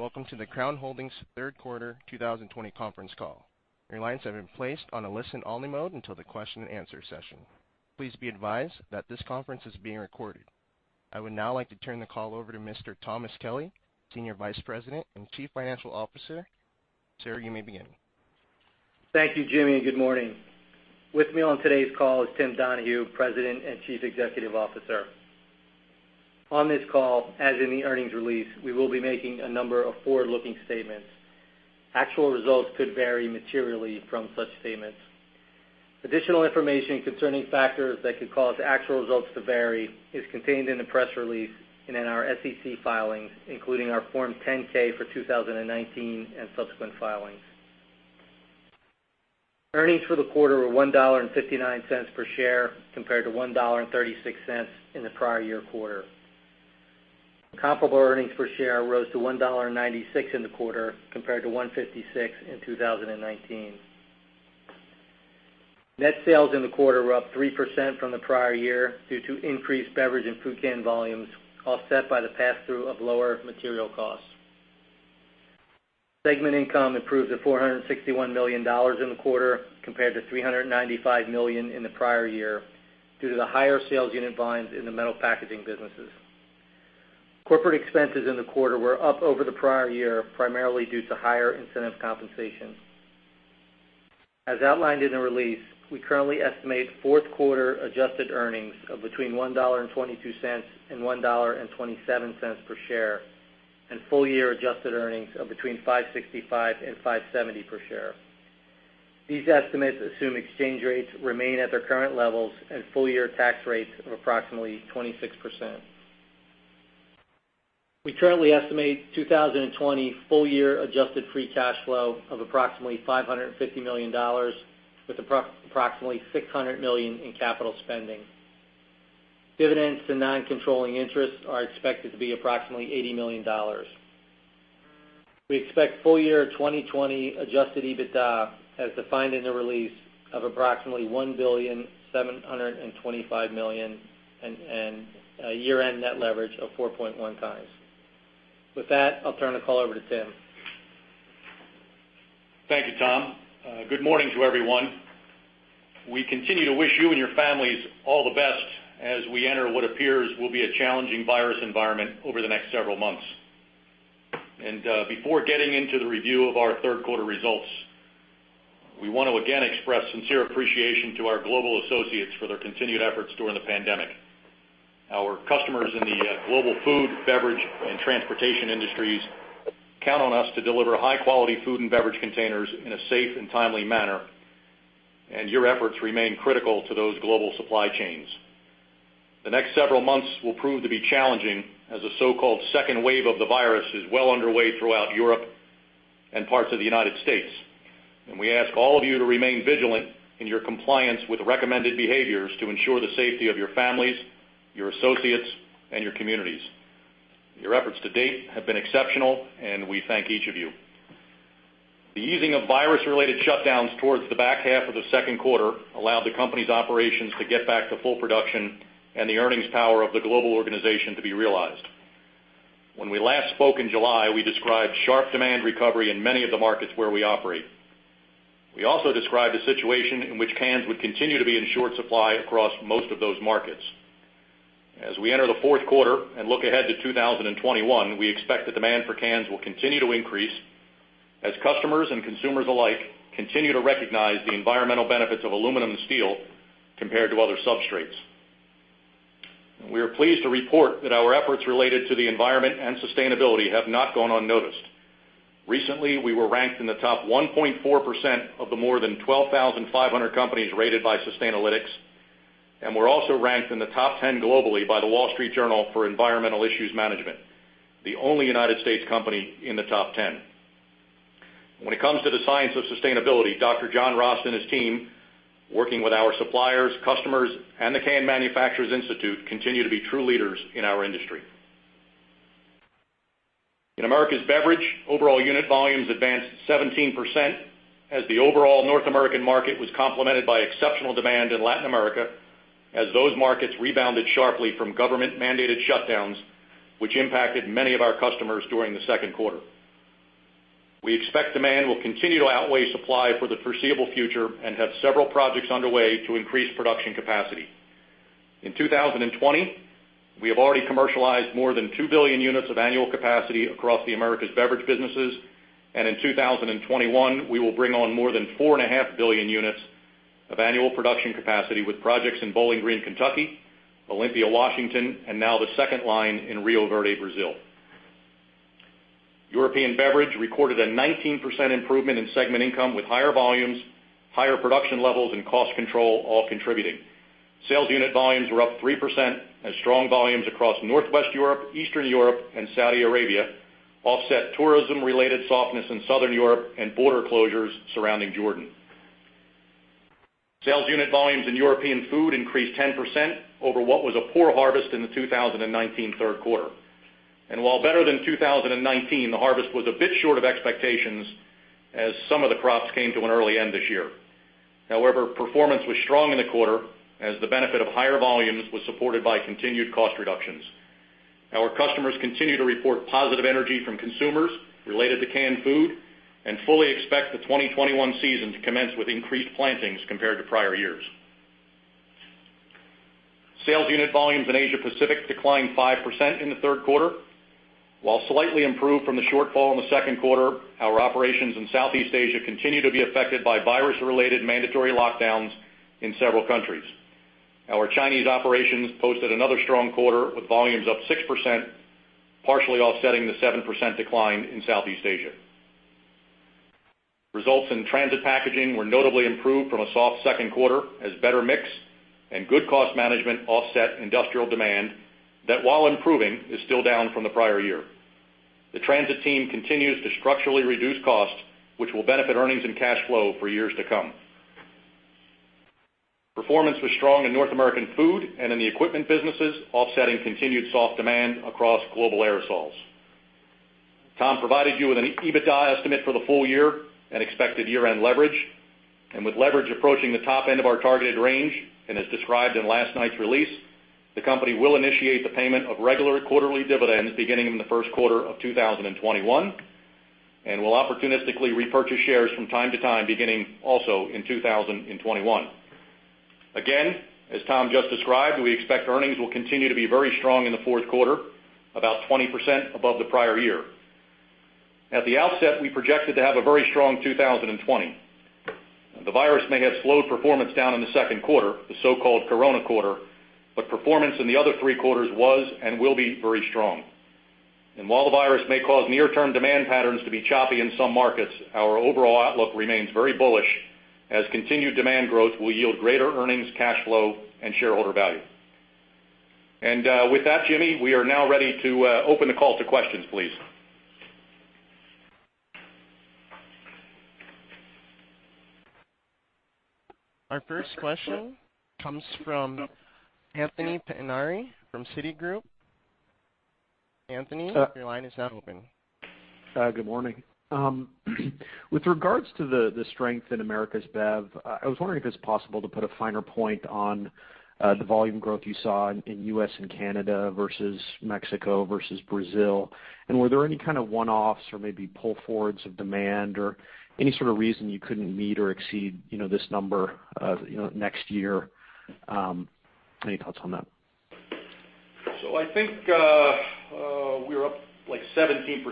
Good morning, welcome to the Crown Holdings third quarter 2020 conference call. Your lines have been placed on a listen only mode until the question and answer session. Please be advised that this conference is being recorded. I would now like to turn the call over to Mr. Thomas Kelly, Senior Vice President and Chief Financial Officer. Sir, you may begin. Thank you, Jimmy, good morning. With me on today's call is Tim Donahue, President and Chief Executive Officer. On this call, as in the earnings release, we will be making a number of forward-looking statements. Actual results could vary materially from such statements. Additional information concerning factors that could cause actual results to vary is contained in the press release and in our SEC filings, including our Form 10-K for 2019 and subsequent filings. Earnings for the quarter were $1.59 per share compared to $1.36 in the prior year quarter. Comparable earnings per share rose to $1.96 in the quarter compared to $1.56 in 2019. Net sales in the quarter were up 3% from the prior year due to increased beverage and food can volumes, offset by the pass-through of lower material costs. Segment income improved to $461 million in the quarter compared to $395 million in the prior year, due to the higher sales unit volumes in the metal packaging businesses. Corporate expenses in the quarter were up over the prior year, primarily due to higher incentive compensation. As outlined in the release, we currently estimate fourth quarter adjusted earnings of between $1.22 and $1.27 per share, and full-year adjusted earnings of between $5.65 and $5.70 per share. These estimates assume exchange rates remain at their current levels and full-year tax rates of approximately 26%. We currently estimate 2020 full-year adjusted free cash flow of approximately $550 million with approximately $600 million in capital spending. Dividends to non-controlling interests are expected to be approximately $80 million. We expect full-year 2020 adjusted EBITDA as defined in the release of approximately $1.725 billion and a year-end net leverage of 4.1x. With that, I'll turn the call over to Tim. Thank you, Tom. Good morning to everyone. We continue to wish you and your families all the best as we enter what appears will be a challenging virus environment over the next several months. Before getting into the review of our third quarter results, we want to again express sincere appreciation to our global associates for their continued efforts during the pandemic. Our customers in the global food, beverage, and transportation industries count on us to deliver high-quality food and beverage containers in a safe and timely manner, and your efforts remain critical to those global supply chains. The next several months will prove to be challenging as a so-called second wave of the virus is well underway throughout Europe and parts of the U.S. We ask all of you to remain vigilant in your compliance with recommended behaviors to ensure the safety of your families, your associates, and your communities. Your efforts to date have been exceptional, and we thank each of you. The easing of virus-related shutdowns towards the back half of the second quarter allowed the company's operations to get back to full production and the earnings power of the global organization to be realized. When we last spoke in July, we described sharp demand recovery in many of the markets where we operate. We also described a situation in which cans would continue to be in short supply across most of those markets. As we enter the fourth quarter and look ahead to 2021, we expect the demand for cans will continue to increase as customers and consumers alike continue to recognize the environmental benefits of aluminum and steel compared to other substrates. We are pleased to report that our efforts related to the environment and sustainability have not gone unnoticed. Recently, we were ranked in the top 1.4% of the more than 12,500 companies rated by Sustainalytics, and we're also ranked in the top 10 globally by The Wall Street Journal for environmental issues management, the only U.S. company in the top 10. When it comes to the science of sustainability, Dr. John Rost and his team, working with our suppliers, customers, and the Can Manufacturers Institute, continue to be true leaders in our industry. In Americas Beverage, overall unit volumes advanced 17% as the overall North American market was complemented by exceptional demand in Latin America as those markets rebounded sharply from government-mandated shutdowns, which impacted many of our customers during the second quarter. We expect demand will continue to outweigh supply for the foreseeable future and have several projects underway to increase production capacity. In 2020, we have already commercialized more than 2 billion units of annual capacity across the Americas Beverage businesses, and in 2021, we will bring on more than 4.5 billion units of annual production capacity with projects in Bowling Green, Kentucky, Olympia, Washington, and now the second line in Rio Verde, Brazil. European Beverage recorded a 19% improvement in segment income with higher volumes, higher production levels, and cost control all contributing. Sales unit volumes were up 3% as strong volumes across Northwest Europe, Eastern Europe, and Saudi Arabia offset tourism-related softness in Southern Europe and border closures surrounding Jordan. Sales unit volumes in European Food increased 10% over what was a poor harvest in the 2019 third quarter. While better than 2019, the harvest was a bit short of expectations as some of the crops came to an early end this year. However, performance was strong in the quarter as the benefit of higher volumes was supported by continued cost reductions. Our customers continue to report positive energy from consumers related to canned food, and fully expect the 2021 season to commence with increased plantings compared to prior years. Sales unit volumes in Asia Pacific declined 5% in the third quarter. While slightly improved from the shortfall in the second quarter, our operations in Southeast Asia continue to be affected by virus-related mandatory lockdowns in several countries. Our Chinese operations posted another strong quarter, with volumes up 6%, partially offsetting the 7% decline in Southeast Asia. Results in Transit Packaging were notably improved from a soft second quarter, as better mix and good cost management offset industrial demand that, while improving, is still down from the prior year. The transit team continues to structurally reduce costs, which will benefit earnings and cash flow for years to come. Performance was strong in North American food and in the equipment businesses, offsetting continued soft demand across global aerosols. Tom provided you with an EBITDA estimate for the full year and expected year-end leverage. With leverage approaching the top end of our targeted range, as described in last night's release, the company will initiate the payment of regular quarterly dividends beginning in the first quarter of 2021, and will opportunistically repurchase shares from time to time, beginning also in 2021. Again, as Tom just described, we expect earnings will continue to be very strong in the fourth quarter, about 20% above the prior year. At the outset, we projected to have a very strong 2020. The virus may have slowed performance down in the second quarter, the so-called Corona quarter, but performance in the other three quarters was and will be very strong. While the virus may cause near-term demand patterns to be choppy in some markets, our overall outlook remains very bullish, as continued demand growth will yield greater earnings, cash flow, and shareholder value. With that, Jimmy, we are now ready to open the call to questions, please. Our first question comes from Anthony Pettinari from Citigroup. Anthony, your line is now open. Good morning. With regards to the strength in Americas Bev, I was wondering if it's possible to put a finer point on the volume growth you saw in U.S. and Canada versus Mexico versus Brazil. Were there any kind of one-offs or maybe pull forwards of demand or any sort of reason you couldn't meet or exceed this number next year? Any thoughts on that? I think we were up, like, 17%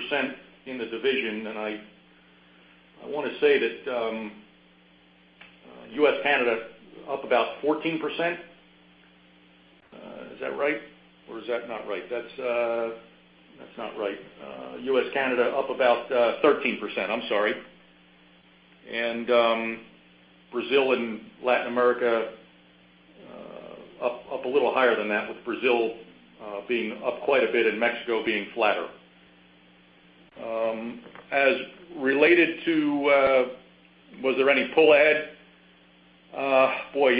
in the division, and I want to say that U.S., Canada, up about 14%. Is that right, or is that not right? That's not right. U.S., Canada, up about 13%. I'm sorry. Brazil and Latin America up a little higher than that, with Brazil being up quite a bit and Mexico being flatter. As related to was there any pull ahead? Boy,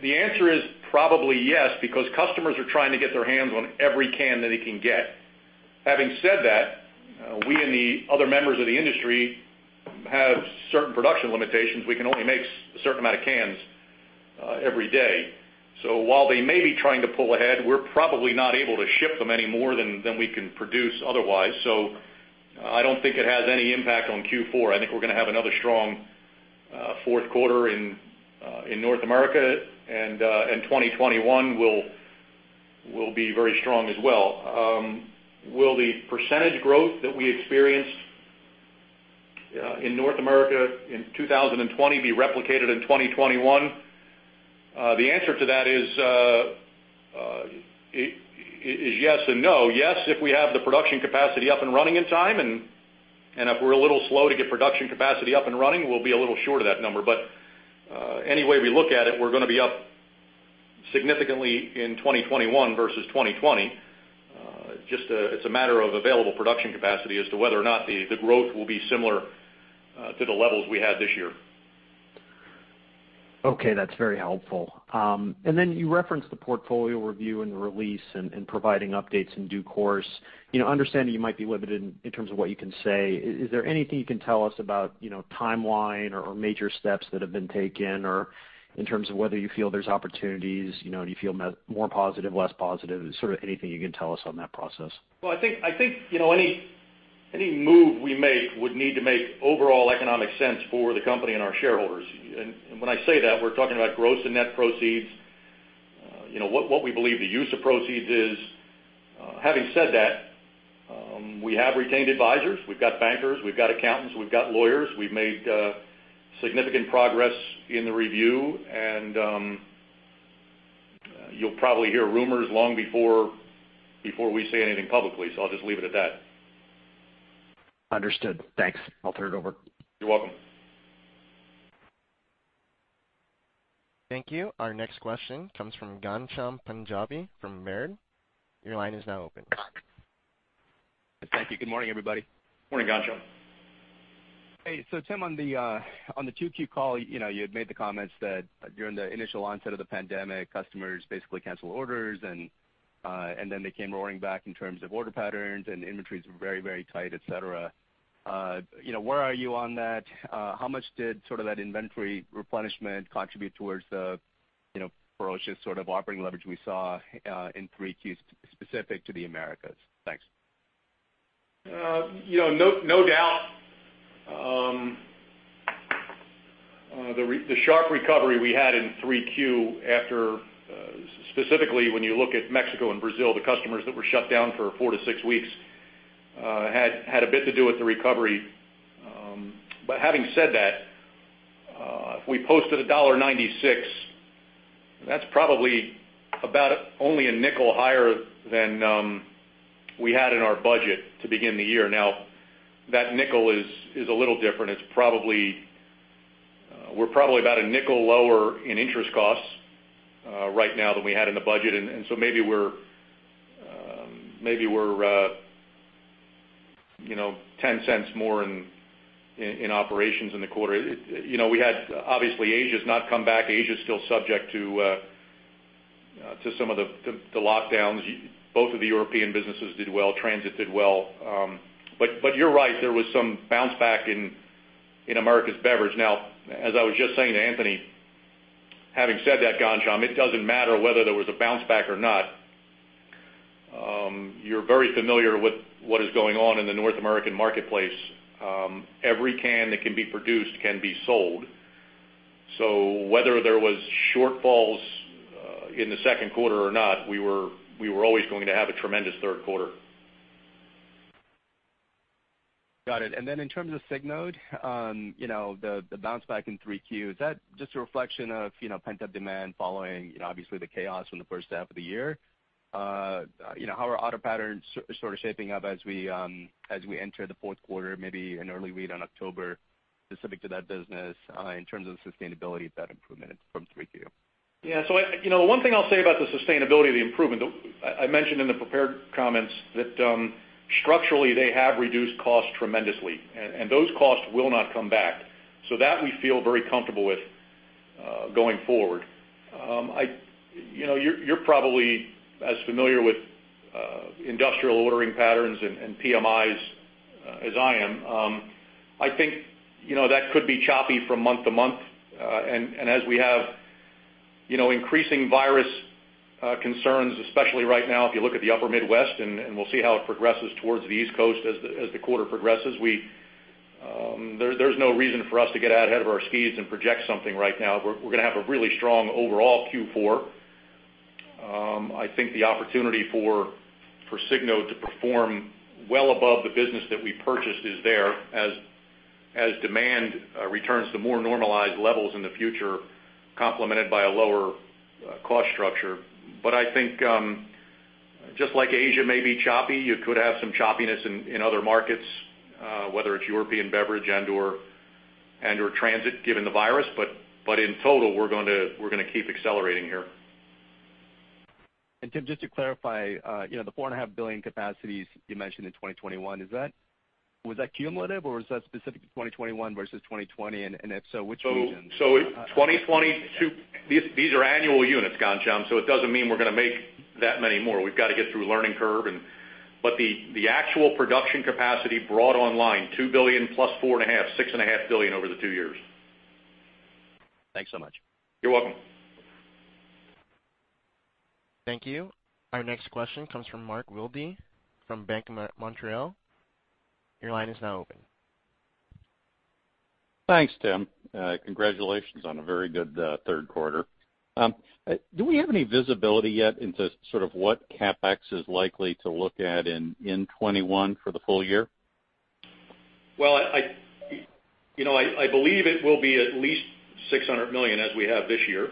the answer is probably yes, because customers are trying to get their hands on every can that they can get. Having said that, we and the other members of the industry have certain production limitations. We can only make a certain amount of cans every day. While they may be trying to pull ahead, we're probably not able to ship them any more than we can produce otherwise. I don't think it has any impact on Q4. I think we're going to have another strong fourth quarter in North America, and 2021 will be very strong as well. Will the percentage growth that we experienced in North America in 2020 be replicated in 2021? The answer to that is yes and no. Yes, if we have the production capacity up and running in time, and if we're a little slow to get production capacity up and running, we'll be a little short of that number. Any way we look at it, we're going to be up significantly in 2021 versus 2020. It's a matter of available production capacity as to whether or not the growth will be similar to the levels we had this year. Okay, that's very helpful. Then you referenced the portfolio review and the release and providing updates in due course. Understanding you might be limited in terms of what you can say, is there anything you can tell us about timeline or major steps that have been taken, or in terms of whether you feel there's opportunities, do you feel more positive, less positive? Sort of anything you can tell us on that process? Well, I think any move we make would need to make overall economic sense for the company and our shareholders. When I say that, we're talking about gross and net proceeds, what we believe the use of proceeds is. Having said that, we have retained advisors. We've got bankers, we've got accountants, we've got lawyers. We've made significant progress in the review, and you'll probably hear rumors long before we say anything publicly, so I'll just leave it at that. Understood. Thanks. I'll turn it over. You're welcome. Thank you. Our next question comes from Ghansham Panjabi from Baird. Your line is now open. Thank you. Good morning, everybody. Morning, Ghansham. Hey. Tim, on the 2Q call, you had made the comments that during the initial onset of the pandemic, customers basically canceled orders then they came roaring back in terms of order patterns and inventories were very tight, et cetera. Where are you on that? How much did that inventory replenishment contribute towards the ferocious sort of operating leverage we saw in 3Q specific to the Americas? Thanks. No doubt. The sharp recovery we had in 3Q after, specifically when you look at Mexico and Brazil, the customers that were shut down for four to six weeks, had a bit to do with the recovery. Having said that, if we posted $1.96, that's probably about only $0.05 higher than we had in our budget to begin the year. That $0.05 is a little different. We're probably about $0.05 lower in interest costs right now than we had in the budget, maybe we're $0.10 more in operations in the quarter. Asia's not come back. Asia's still subject to some of the lockdowns. Both of the European businesses did well. Transit did well. You're right, there was some bounce back in Americas Beverage. Now, as I was just saying to Anthony, having said that, Ghansham, it doesn't matter whether there was a bounce back or not. You're very familiar with what is going on in the North American marketplace. Every can that can be produced can be sold. Whether there was shortfalls in the second quarter or not, we were always going to have a tremendous third quarter. Got it. In terms of Signode, the bounce back in 3Q, is that just a reflection of pent-up demand following, obviously the chaos from the first half of the year? How are order patterns sort of shaping up as we enter the fourth quarter, maybe an early read on October specific to that business in terms of the sustainability of that improvement from 3Q? One thing I'll say about the sustainability of the improvement, I mentioned in the prepared comments that structurally, they have reduced costs tremendously, and those costs will not come back. That we feel very comfortable with going forward. You're probably as familiar with industrial ordering patterns and PMIs as I am. I think that could be choppy from month to month, and as we have increasing virus concerns, especially right now if you look at the upper Midwest, and we'll see how it progresses towards the East Coast as the quarter progresses. There's no reason for us to get out ahead of our skis and project something right now. We're going to have a really strong overall Q4. I think the opportunity for Signode to perform well above the business that we purchased is there as demand returns to more normalized levels in the future, complemented by a lower cost structure. I think just like Asia may be choppy, you could have some choppiness in other markets, whether it's European Beverage and/or Transit given the virus. In total, we're going to keep accelerating here. Tim, just to clarify, the four and a half billion capacities you mentioned in 2021, was that cumulative or was that specific to 2021 versus 2020? If so, which regions? 2022, these are annual units, Ghansham, it doesn't mean we're going to make that many more. We've got to get through a learning curve. The actual production capacity brought online, $2 billion plus four and a half, $6.5 billion over the two years. Thanks so much. You're welcome. Thank you. Our next question comes from Mark Wilde from BMO Capital Markets. Your line is now open. Thanks, Tim. Congratulations on a very good third quarter. Do we have any visibility yet into sort of what CapEx is likely to look at in 2021 for the full year? Well, I believe it will be at least $600 million as we have this year.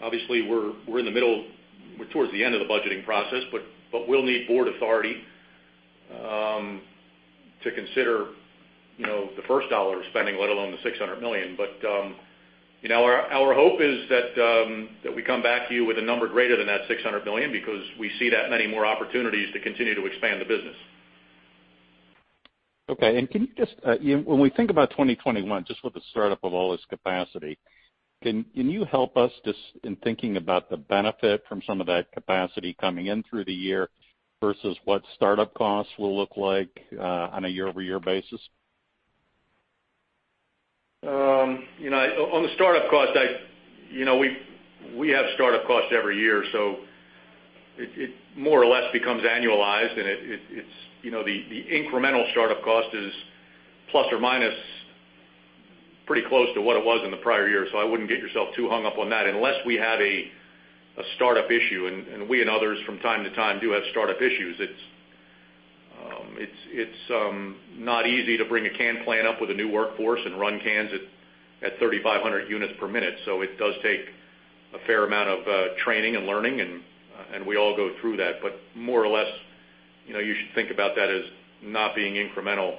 Obviously, we're towards the end of the budgeting process, we'll need Board authority to consider the first dollar we're spending, let alone the $600 million. Our hope is that we come back to you with a number greater than that $600 million because we see that many more opportunities to continue to expand the business. Okay. When we think about 2021, just with the startup of all this capacity, can you help us just in thinking about the benefit from some of that capacity coming in through the year versus what startup costs will look like on a year-over-year basis? On the startup cost, we have startup costs every year, so it more or less becomes annualized, and the incremental startup cost is ± pretty close to what it was in the prior year. I wouldn't get yourself too hung up on that unless we have a startup issue, and we and others from time to time do have startup issues. It's not easy to bring a can plant up with a new workforce and run cans at 3,500 units per minute. It does take a fair amount of training and learning, and we all go through that. More or less, you should think about that as not being incremental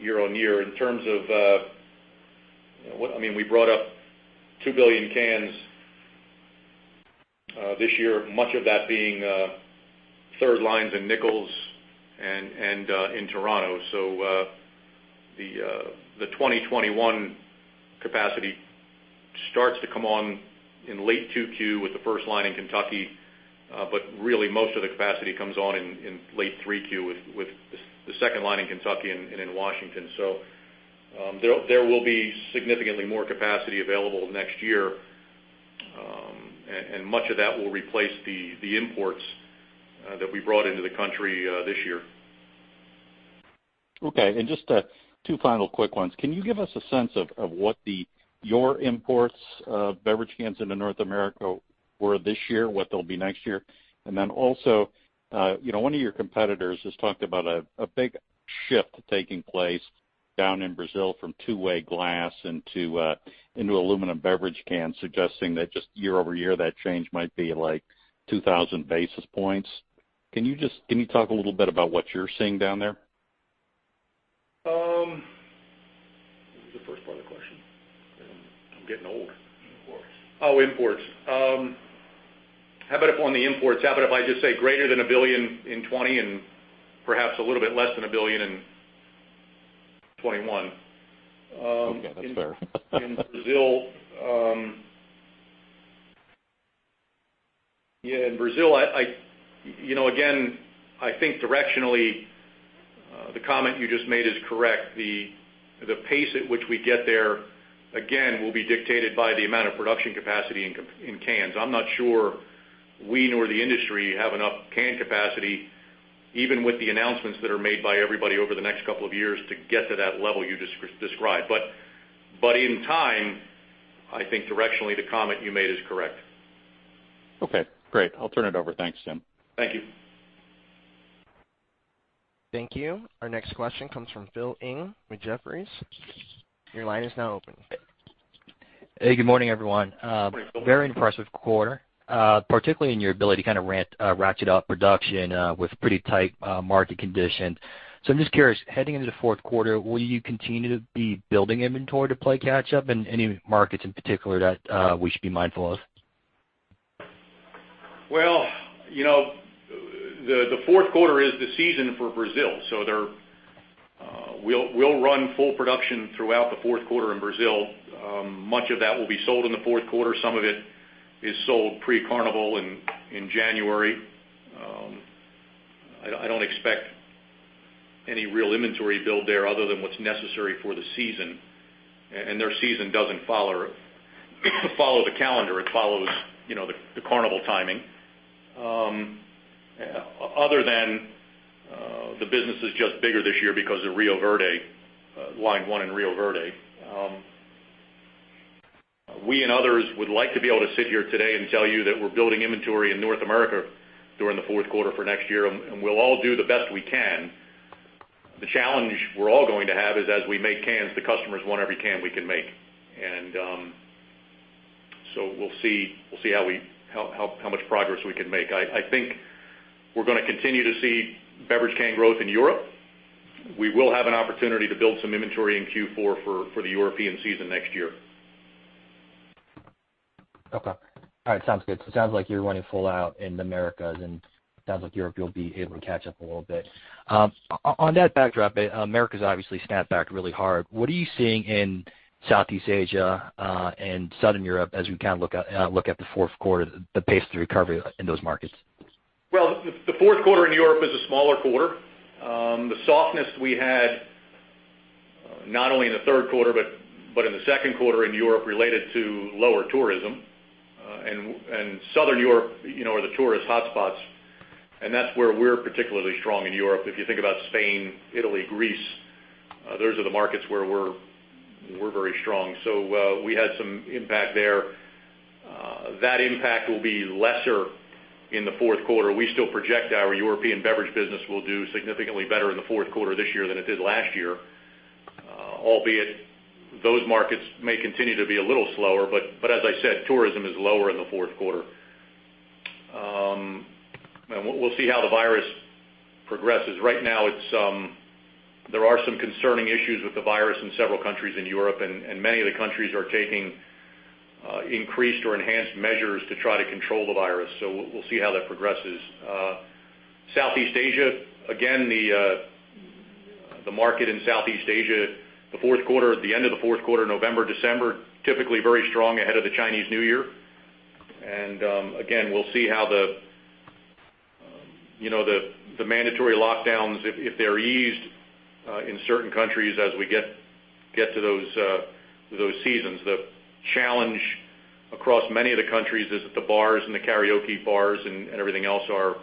year on year. We brought up 2 billion cans this year, much of that being third lines and Nichols and in Toronto. The 2021 capacity starts to come on in late 2Q with the first line in Kentucky. Really most of the capacity comes on in late 3Q with the second line in Kentucky and in Washington. There will be significantly more capacity available next year. Much of that will replace the imports that we brought into the country this year. Okay. Just two final quick ones. Can you give us a sense of what your imports of beverage cans into North America were this year, what they'll be next year? Also one of your competitors has talked about a big shift taking place down in Brazil from two-way glass into aluminum beverage cans, suggesting that just year-over-year, that change might be like 2,000 basis points. Can you talk a little bit about what you're seeing down there? What was the first part of the question? I'm getting old. Imports. Oh, imports, how about up on the imports, how about if I just say greater than $1 billion in 2020 and perhaps a little bit less than $1 billion in 2021? Okay. That's fair. In Brazil, again, I think directionally, the comment you just made is correct. The pace at which we get there again, will be dictated by the amount of production capacity in cans. I'm not sure we nor the industry have enough can capacity, even with the announcements that are made by everybody over the next couple of years to get to that level you described. In time, I think directionally, the comment you made is correct. Okay, great. I'll turn it over. Thanks, Tim. Thank you. Thank you. Our next question comes from Phil Ng with Jefferies. Your line is now open. Hey, good morning, everyone. Morning, Phil. Very impressive quarter, particularly in your ability to kind of ratchet up production with pretty tight market conditions. I'm just curious, heading into the fourth quarter, will you continue to be building inventory to play catch up in any markets in particular that we should be mindful of? Well, the fourth quarter is the season for Brazil. We'll run full production throughout the fourth quarter in Brazil. Much of that will be sold in the fourth quarter. Some of it is sold pre-Carnival in January. I don't expect any real inventory build there other than what's necessary for the season. Their season doesn't follow the calendar. It follows the Carnival timing. Other than the business is just bigger this year because of Rio Verde Line 1 in Rio Verde. We and others would like to be able to sit here today and tell you that we're building inventory in North America during the fourth quarter for next year, we'll all do the best we can. The challenge we're all going to have is as we make cans, the customers want every can we can make. We'll see how much progress we can make. I think we're going to continue to see beverage can growth in Europe. We will have an opportunity to build some inventory in Q4 for the European season next year. Okay. All right. Sounds good. It sounds like you're running full out in the Americas, and it sounds like Europe, you'll be able to catch up a little bit. On that backdrop, Americas obviously snapped back really hard. What are you seeing in Southeast Asia and Southern Europe as we look at the fourth quarter, the pace of the recovery in those markets? Well, the fourth quarter in Europe is a smaller quarter. The softness we had not only in the third quarter, but in the second quarter in Europe related to lower tourism. Southern Europe are the tourist hotspots, and that's where we're particularly strong in Europe. If you think about Spain, Italy, Greece, those are the markets where we're very strong. We had some impact there. That impact will be lesser in the fourth quarter. We still project our European Beverage business will do significantly better in the fourth quarter this year than it did last year. Albeit those markets may continue to be a little slower, but as I said, tourism is lower in the fourth quarter. We'll see how the virus progresses. Right now, there are some concerning issues with the virus in several countries in Europe, and many of the countries are taking increased or enhanced measures to try to control the virus. We'll see how that progresses. Southeast Asia, again, the market in Southeast Asia, the end of the fourth quarter, November, December, typically very strong ahead of the Chinese New Year. Again, we'll see how the mandatory lockdowns, if they're eased in certain countries as we get to those seasons. The challenge across many of the countries is that the bars and the karaoke bars and everything else are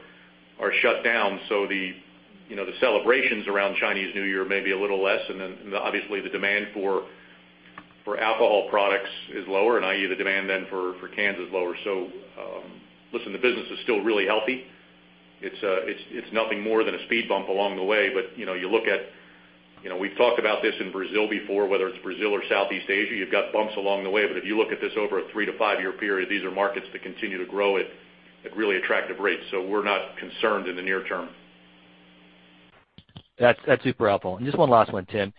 shut down. The celebrations around Chinese New Year may be a little less, and then obviously the demand for alcohol products is lower, and i.e., the demand then for cans is lower. Listen, the business is still really healthy. It's nothing more than a speed bump along the way. We've talked about this in Brazil before, whether it's Brazil or Southeast Asia, you've got bumps along the way. If you look at this over a three to five-year period, these are markets that continue to grow at really attractive rates. We're not concerned in the near term. That's super helpful. Just one last one, Tim.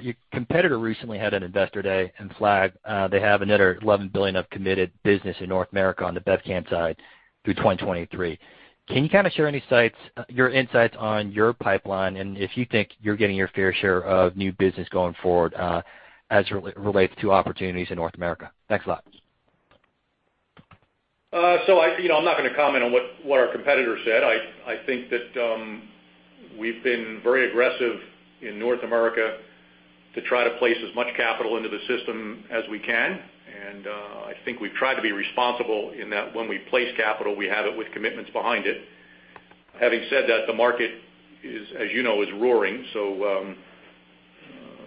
Your competitor recently had an investor day and flagged they have another 11 billion of committed business in North America on the Bevcan side through 2023. Can you share any insights on your pipeline and if you think you're getting your fair share of new business going forward as it relates to opportunities in North America? Thanks a lot. I'm not going to comment on what our competitor said. I think that we've been very aggressive in North America to try to place as much capital into the system as we can. I think we've tried to be responsible in that when we place capital, we have it with commitments behind it. Having said that, the market, as you know, is roaring.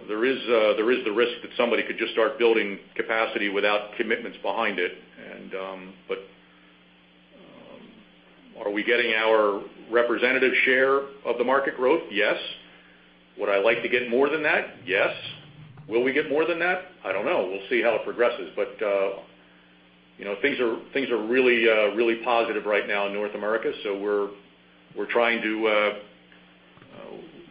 There is the risk that somebody could just start building capacity without commitments behind it. Are we getting our representative share of the market growth? Yes. Would I like to get more than that? Yes. Will we get more than that? I don't know. We'll see how it progresses. Things are really positive right now in North America. We're trying to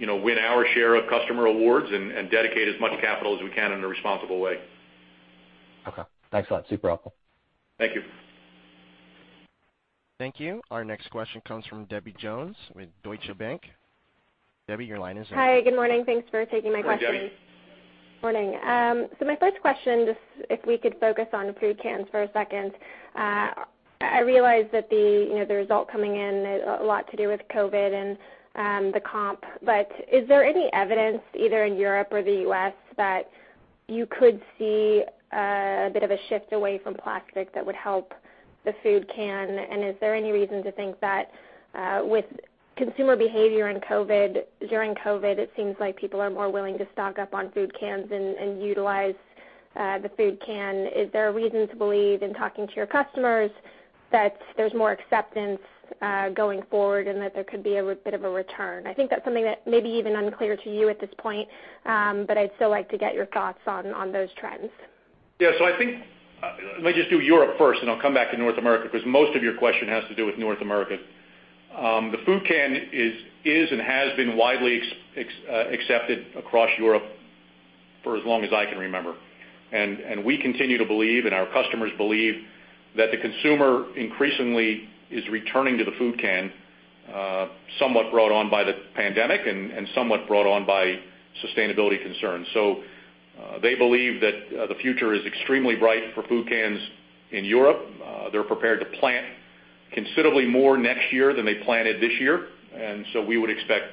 win our share of customer awards and dedicate as much capital as we can in a responsible way. Okay. Thanks a lot. Super helpful. Thank you. Thank you. Our next question comes from Debbie Jones with Deutsche Bank. Debbie, your line is open. Hi. Good morning. Thanks for taking my question. Morning, Debbie. Morning. My first question, just if we could focus on food cans for a second. I realize that the result coming in had a lot to do with COVID and the comp, but is there any evidence either in Europe or the U.S. that you could see a bit of a shift away from plastic that would help the food can? Is there any reason to think that with consumer behavior during COVID, it seems like people are more willing to stock up on food cans and utilize the food can? Is there a reason to believe in talking to your customers that there's more acceptance going forward and that there could be a bit of a return? I think that's something that may be even unclear to you at this point, but I'd still like to get your thoughts on those trends. Yeah. I think let me just do Europe first, and I'll come back to North America, because most of your question has to do with North America. The food can is and has been widely accepted across Europe for as long as I can remember. We continue to believe and our customers believe that the consumer increasingly is returning to the food can, somewhat brought on by the pandemic and somewhat brought on by sustainability concerns. They believe that the future is extremely bright for food cans in Europe. They're prepared to plant considerably more next year than they planted this year, we would expect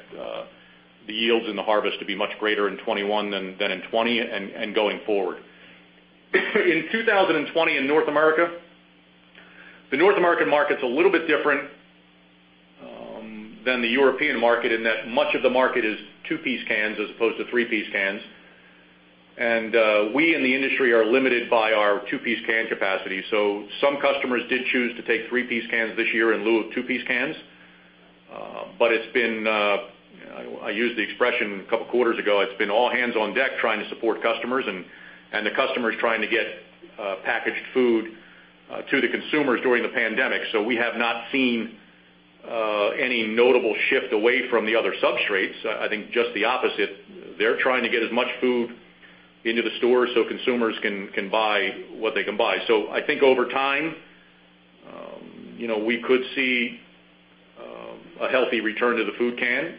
the yields in the harvest to be much greater in 2021 than in 2020 and going forward. In 2020 in North America, the North American market's a little bit different than the European market in that much of the market is two-piece cans as opposed to three-piece cans. We in the industry are limited by our two-piece can capacity. Some customers did choose to take three-piece cans this year in lieu of two-piece cans. It's been, I used the expression a couple of quarters ago, it's been all hands on deck trying to support customers, and the customers trying to get packaged food to the consumers during the pandemic. We have not seen any notable shift away from the other substrates. I think just the opposite. They're trying to get as much food into the store so consumers can buy what they can buy. I think over time we could see a healthy return to the food can.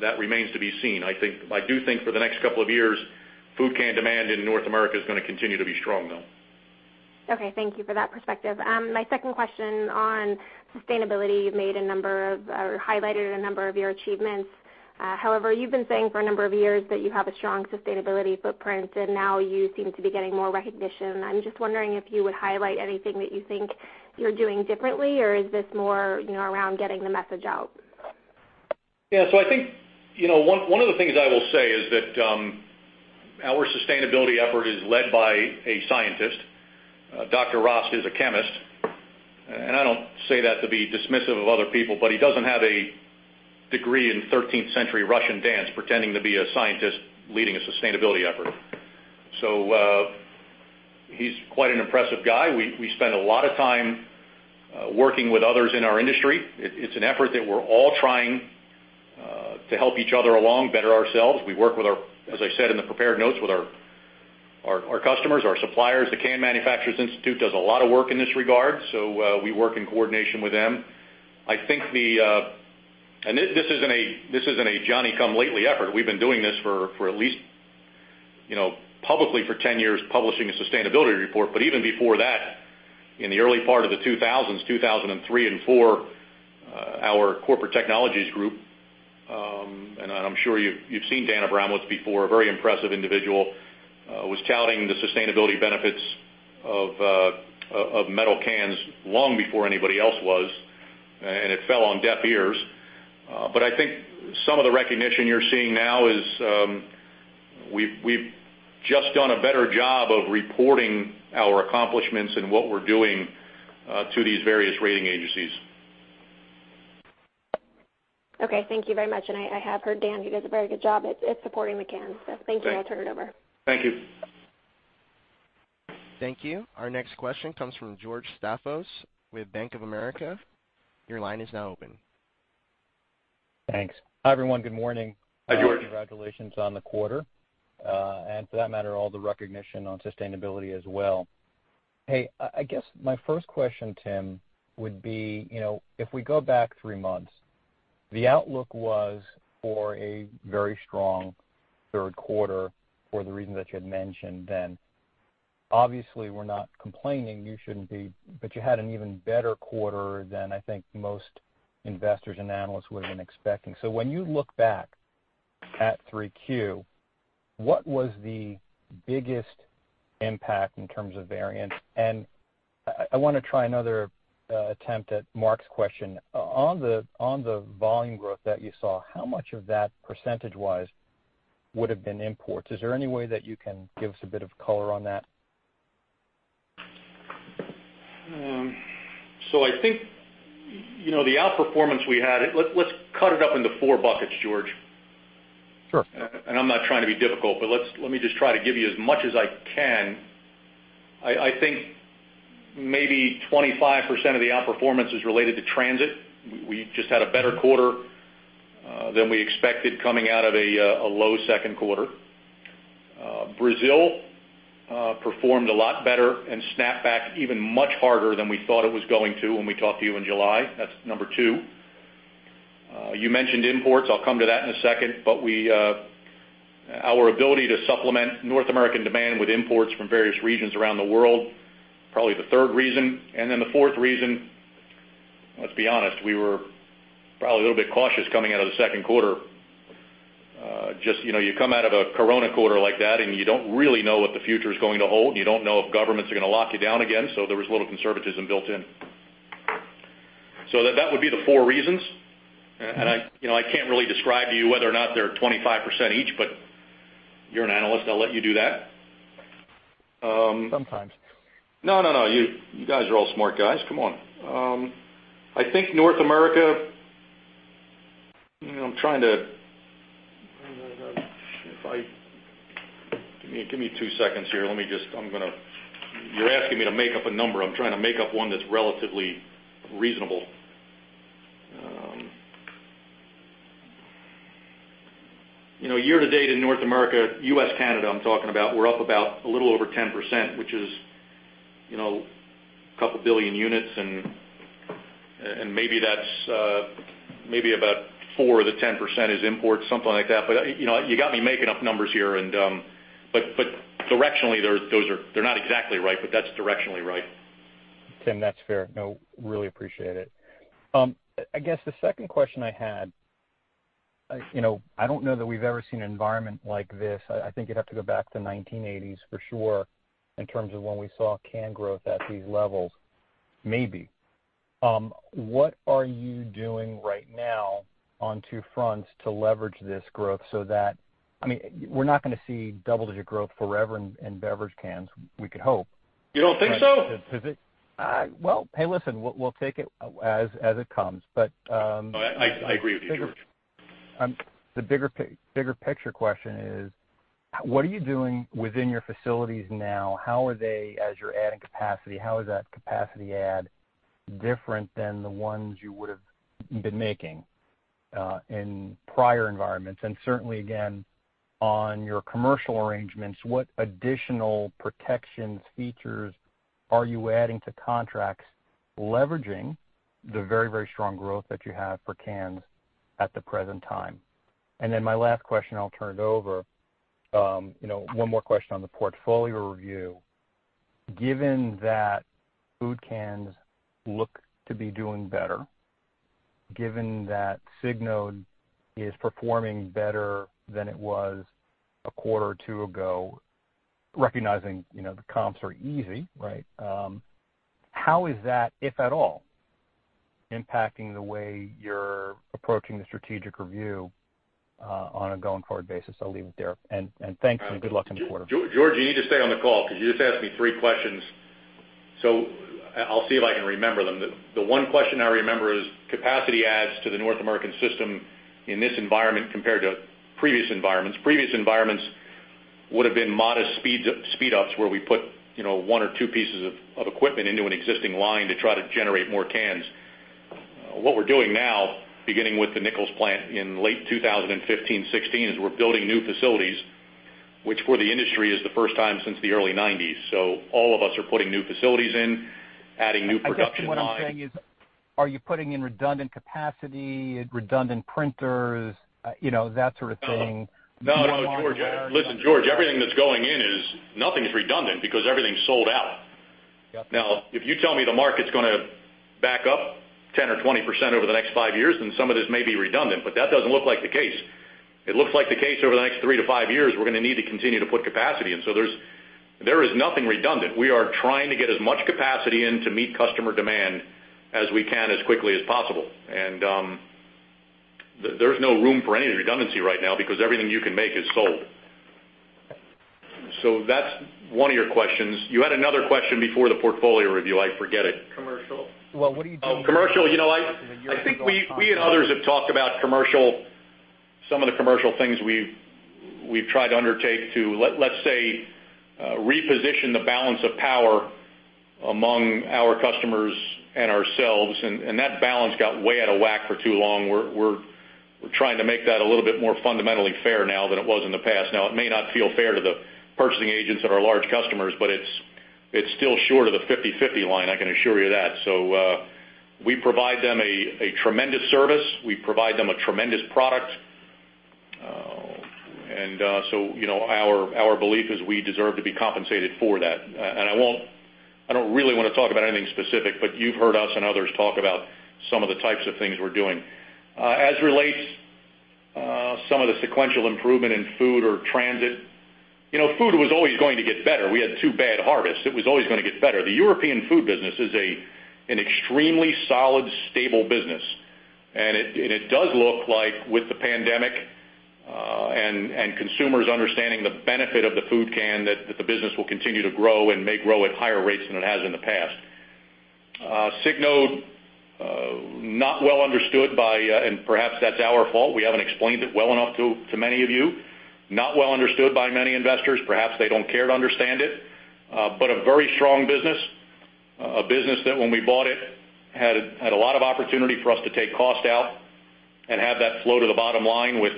That remains to be seen. I do think for the next couple of years, food can demand in North America is going to continue to be strong, though. Okay. Thank you for that perspective. My second question on sustainability. You've highlighted a number of your achievements. However, you've been saying for a number of years that you have a strong sustainability footprint, and now you seem to be getting more recognition. I'm just wondering if you would highlight anything that you think you're doing differently, or is this more around getting the message out? Yeah. I think one of the things I will say is that our sustainability effort is led by a scientist. Dr. Rost is a chemist. I don't say that to be dismissive of other people, but he doesn't have a degree in 13th century Russian dance pretending to be a scientist leading a sustainability effort. He's quite an impressive guy. We spend a lot of time working with others in our industry. It's an effort that we're all trying to help each other along, better ourselves. We work with our, as I said in the prepared notes, with our customers, our suppliers. The Can Manufacturers Institute does a lot of work in this regard, so we work in coordination with them. This isn't a Johnny-come-lately effort. We've been doing this for at least publicly for 10 years, publishing a sustainability report. Even before that, in the early part of the 2000s, 2003 and 2004, our corporate technologies group, and I'm sure you've seen Dan Abramowicz before, a very impressive individual, was touting the sustainability benefits of metal cans long before anybody else was, and it fell on deaf ears. I think some of the recognition you're seeing now is we've just done a better job of reporting our accomplishments and what we're doing to these various rating agencies. Okay. Thank you very much. I have heard Dan. He does a very good job at supporting the cans. Thank you, and I'll turn it over. Thank you. Thank you. Our next question comes from George Staphos with Bank of America. Your line is now open. Thanks. Hi, everyone. Good morning. Hi, George. Congratulations on the quarter. For that matter, all the recognition on sustainability as well. Hey, I guess my first question, Tim, would be, if we go back three months, the outlook was for a very strong third quarter for the reason that you had mentioned then. Obviously, we're not complaining, you shouldn't be, you had an even better quarter than I think most investors and analysts would have been expecting. When you look back at three Q, what was the biggest impact in terms of variance? I want to try another attempt at Mark's question. On the volume growth that you saw, how much of that percentage-wise would have been imports? Is there any way that you can give us a bit of color on that? I think, the outperformance we had, let's cut it up into four buckets, George. Sure. I'm not trying to be difficult, but let me just try to give you as much as I can. I think maybe 25% of the outperformance is related to Transit. We just had a better quarter, than we expected coming out of a low second quarter. Brazil performed a lot better and snapped back even much harder than we thought it was going to when we talked to you in July. That's number 2. You mentioned imports. I'll come to that in a second. Our ability to supplement North American demand with imports from various regions around the world, probably the third reason. Then the fourth reason, let's be honest, we were probably a little bit cautious coming out of the second quarter. Just you come out of a Corona quarter like that, and you don't really know what the future's going to hold, and you don't know if governments are going to lock you down again. There was a little conservatism built in. That would be the four reasons. I can't really describe to you whether or not they're 25% each, but you're an analyst. I'll let you do that. Sometimes. No. You guys are all smart guys. Come on. I think North America. Give me two seconds here. You're asking me to make up a number. I'm trying to make up one that's relatively reasonable. Year to date in North America, U.S., Canada, I'm talking about, we're up about a little over 10%, which is a couple billion units, and maybe about four of the 10% is imports, something like that. You got me making up numbers here, but directionally, they're not exactly right, but that's directionally right. Tim, that's fair. Really appreciate it. I guess the second question I had, I don't know that we've ever seen an environment like this. I think you'd have to go back to the 1980s for sure, in terms of when we saw can growth at these levels. Maybe. What are you doing right now on two fronts to leverage this growth? We're not going to see double-digit growth forever in beverage cans, we could hope. You don't think so? Hey, listen, we'll take it as it comes. No, I agree with you, George. the bigger picture question is, what are you doing within your facilities now? As you're adding capacity, how is that capacity add different than the ones you would've been making in prior environments? Certainly, again, on your commercial arrangements, what additional protections, features are you adding to contracts leveraging the very, very strong growth that you have for cans at the present time? Then my last question, I'll turn it over. One more question on the portfolio review. Given that food cans look to be doing better, given that Signode is performing better than it was a quarter or two ago, recognizing the comps are easy, how is that, if at all, impacting the way you're approaching the strategic review on a going-forward basis? I'll leave it there. Thanks, and good luck on the quarter. George, you need to stay on the call because you just asked me three questions. I'll see if I can remember them. The one question I remember is capacity adds to the North American system in this environment compared to previous environments. Previous environments would have been modest speed ups where we put one or two pieces of equipment into an existing line to try to generate more cans. What we're doing now, beginning with the Nichols plant in late 2015, 2016, is we're building new facilities, which for the industry is the first time since the early 1990s. All of us are putting new facilities in, adding new production lines. I guess what I'm saying is, are you putting in redundant capacity, redundant printers, that sort of thing? No, George. Listen, George, everything that's going in is nothing's redundant because everything's sold out. Yep. If you tell me the market's going to back up 10% or 20% over the next five years, then some of this may be redundant, but that doesn't look like the case. It looks like the case over the next three to five years, we're going to need to continue to put capacity in. There is nothing redundant. We are trying to get as much capacity in to meet customer demand as we can as quickly as possible. There's no room for any redundancy right now because everything you can make is sold. That's one of your questions. You had another question before the portfolio review. I forget it. Commercial. Well, what are you doing- Oh, commercial. from a year ago timeframe? I think we and others have talked about some of the commercial things we've tried to undertake to, let's say, reposition the balance of power among our customers and ourselves. That balance got way out of whack for too long. We're trying to make that a little bit more fundamentally fair now than it was in the past. Now, it may not feel fair to the purchasing agents that are large customers, but it's still short of the 50/50 line, I can assure you that. We provide them a tremendous service. We provide them a tremendous product. Our belief is we deserve to be compensated for that. I don't really want to talk about anything specific, but you've heard us and others talk about some of the types of things we're doing. As relates some of the sequential improvement in food or transit, food was always going to get better. We had two bad harvests. It was always going to get better. The European Food business is an extremely solid, stable business, and it does look like with the pandemic, and consumers understanding the benefit of the food can, that the business will continue to grow and may grow at higher rates than it has in the past. Signode, not well understood, and perhaps that's our fault, we haven't explained it well enough to many of you. Not well understood by many investors. Perhaps they don't care to understand it. A very strong business. A business that when we bought it, had a lot of opportunity for us to take cost out and have that flow to the bottom line with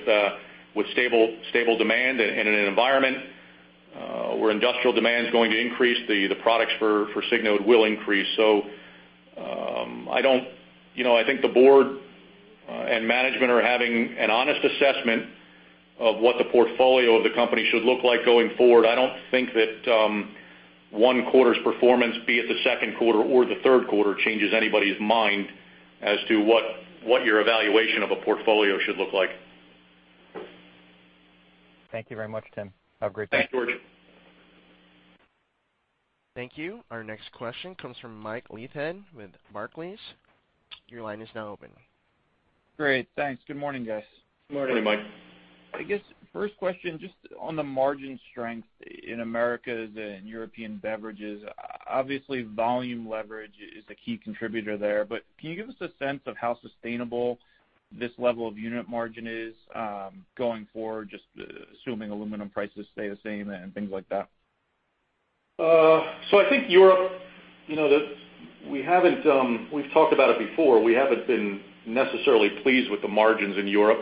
stable demand in an environment where industrial demand's going to increase, the products for Signode will increase. I think the board and management are having an honest assessment of what the portfolio of the company should look like going forward. I don't think that one quarter's performance, be it the second quarter or the third quarter, changes anybody's mind as to what your evaluation of a portfolio should look like. Thank you very much, Tim. Have a great day. Thanks, George. Thank you. Our next question comes from Mike Leithead with Barclays. Your line is now open. Great, thanks. Good morning, guys. Good morning. Good morning, Mike. I guess first question, just on the margin strength in Americas and European beverages. Obviously, volume leverage is a key contributor there, can you give us a sense of how sustainable this level of unit margin is going forward, just assuming aluminum prices stay the same and things like that? I think Europe, we've talked about it before, we haven't been necessarily pleased with the margins in Europe.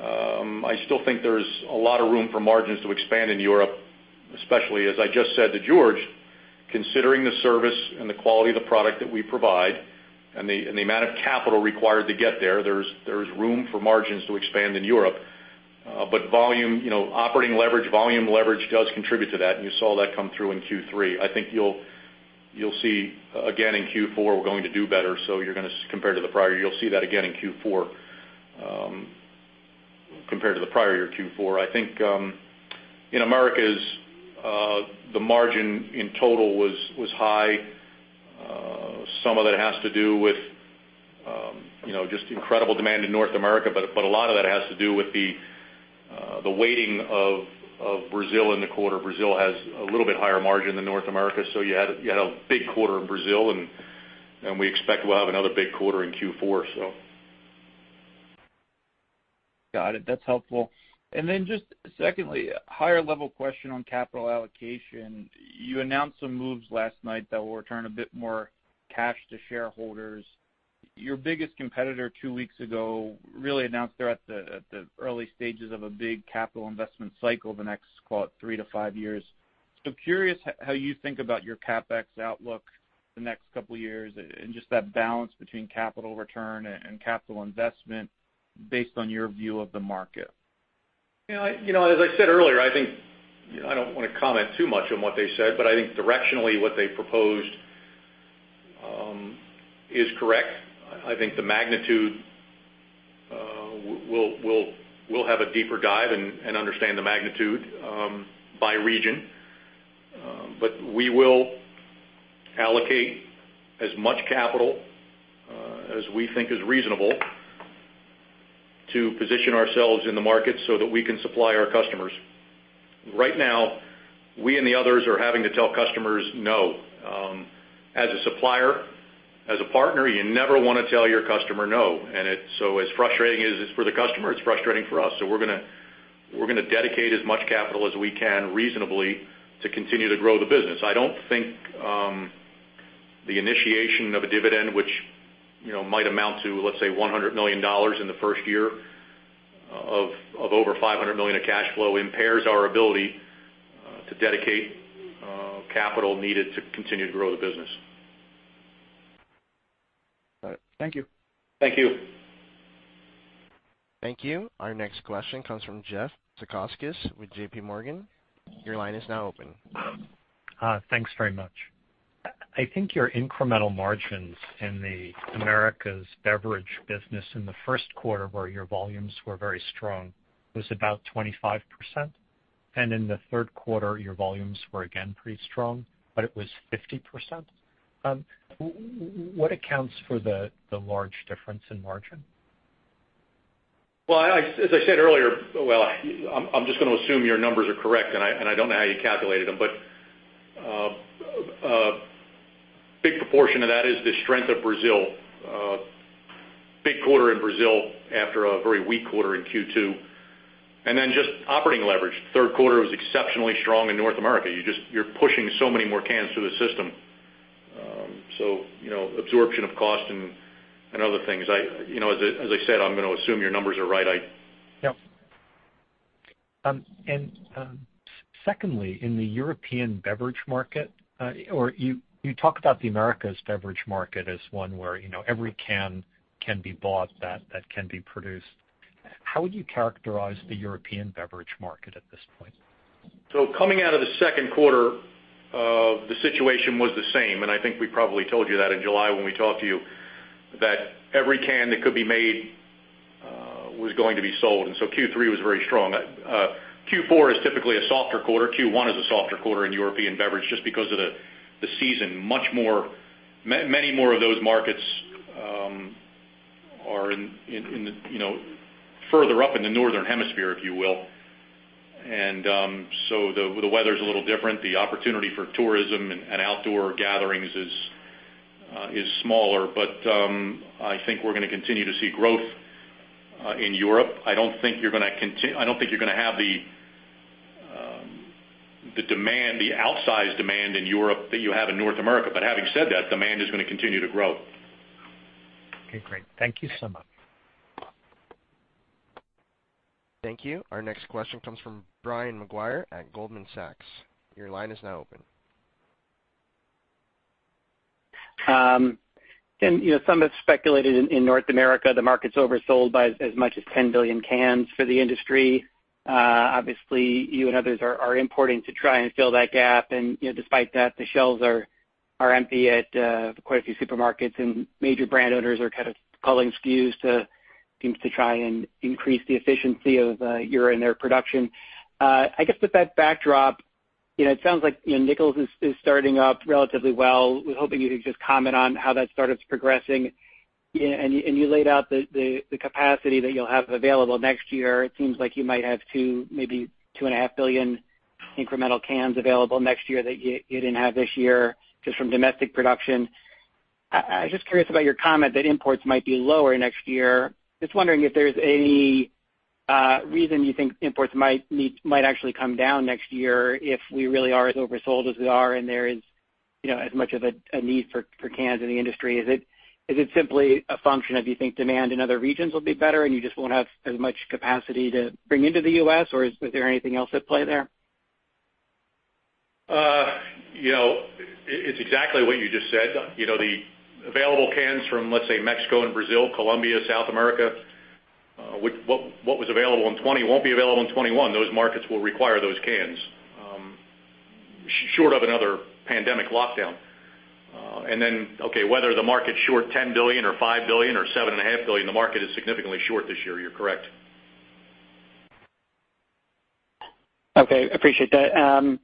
I still think there's a lot of room for margins to expand in Europe, especially as I just said to George, considering the service and the quality of the product that we provide and the amount of capital required to get there's room for margins to expand in Europe. Operating leverage, volume leverage does contribute to that, and you saw that come through in Q3. I think you'll see again in Q4 we're going to do better. Compared to the prior, you'll see that again in Q4 compared to the prior year Q4. I think in Americas, the margin in total was high. Some of that has to do with just incredible demand in North America. A lot of that has to do with the weighting of Brazil in the quarter. Brazil has a little bit higher margin than North America. You had a big quarter in Brazil, and we expect we'll have another big quarter in Q4. Got it. That's helpful. Just secondly, higher level question on capital allocation. You announced some moves last night that will return a bit more cash to shareholders. Your biggest competitor two weeks ago really announced they're at the early stages of a big capital investment cycle the next, call it 3-5 years. Curious how you think about your CapEx outlook the next couple of years, and just that balance between capital return and capital investment based on your view of the market. As I said earlier, I don't want to comment too much on what they said, but I think directionally what they proposed is correct. I think the magnitude, we'll have a deeper dive and understand the magnitude by region. We will allocate as much capital as we think is reasonable to position ourselves in the market so that we can supply our customers. Right now, we and the others are having to tell customers no. As a supplier, as a partner, you never want to tell your customer no. As frustrating as it is for the customer, it's frustrating for us. We're going to dedicate as much capital as we can reasonably to continue to grow the business. I don't think the initiation of a dividend, which might amount to, let's say, $100 million in the first year of over $500 million of cash flow, impairs our ability to dedicate capital needed to continue to grow the business. Got it. Thank you. Thank you. Thank you. Our next question comes from Jeff Zekauskas with JPMorgan. Your line is now open. Thanks very much. I think your incremental margins in the Americas Beverage business in the first quarter, where your volumes were very strong, was about 25%. In the third quarter, your volumes were again pretty strong, but it was 50%. What accounts for the large difference in margin? Well, as I said earlier, I'm just going to assume your numbers are correct. I don't know how you calculated them. A big proportion of that is the strength of Brazil. Big quarter in Brazil after a very weak quarter in Q2. Just operating leverage. Third quarter was exceptionally strong in North America. You're pushing so many more cans through the system. Absorption of cost and other things. As I said, I'm going to assume your numbers are right. Yep. Secondly, in the European Beverage market, you talk about the Americas Beverage market as one where every can can be bought that can be produced. How would you characterize the European Beverage market at this point? Coming out of the second quarter, the situation was the same, and I think we probably told you that in July when we talked to you, that every can that could be made was going to be sold. Q3 was very strong. Q4 is typically a softer quarter. Q1 is a softer quarter in European Beverage just because of the season. Many more of those markets are further up in the northern hemisphere, if you will. The weather's a little different. The opportunity for tourism and outdoor gatherings is smaller. I think we're going to continue to see growth in Europe. I don't think you're going to have the outsized demand in Europe that you have in North America. Having said that, demand is going to continue to grow. Okay, great. Thank you so much. Thank you. Our next question comes from Brian Maguire at Goldman Sachs. Your line is now open. Some have speculated in North America, the market's oversold by as much as 10 billion cans for the industry. Obviously, you and others are importing to try and fill that gap. Despite that, the shelves are empty at quite a few supermarkets, and major brand owners are kind of culling SKUs to try and increase the efficiency of year-end production. I guess with that backdrop, it sounds like Nichols is starting up relatively well. I was hoping you could just comment on how that startup's progressing. You laid out the capacity that you'll have available next year. It seems like you might have two, maybe two and a half billion incremental cans available next year that you didn't have this year just from domestic production. I was just curious about your comment that imports might be lower next year. Just wondering if there's any reason you think imports might actually come down next year if we really are as oversold as we are, and there is as much of a need for cans in the industry. Is it simply a function of you think demand in other regions will be better, and you just won't have as much capacity to bring into the U.S., or is there anything else at play there? It's exactly what you just said. The available cans from, let's say, Mexico and Brazil, Colombia, South America, what was available in 2020 won't be available in 2021. Those markets will require those cans, short of another pandemic lockdown. Okay, whether the market's short 10 billion or 5 billion or 7.5 billion, the market is significantly short this year, you're correct. Okay, appreciate that.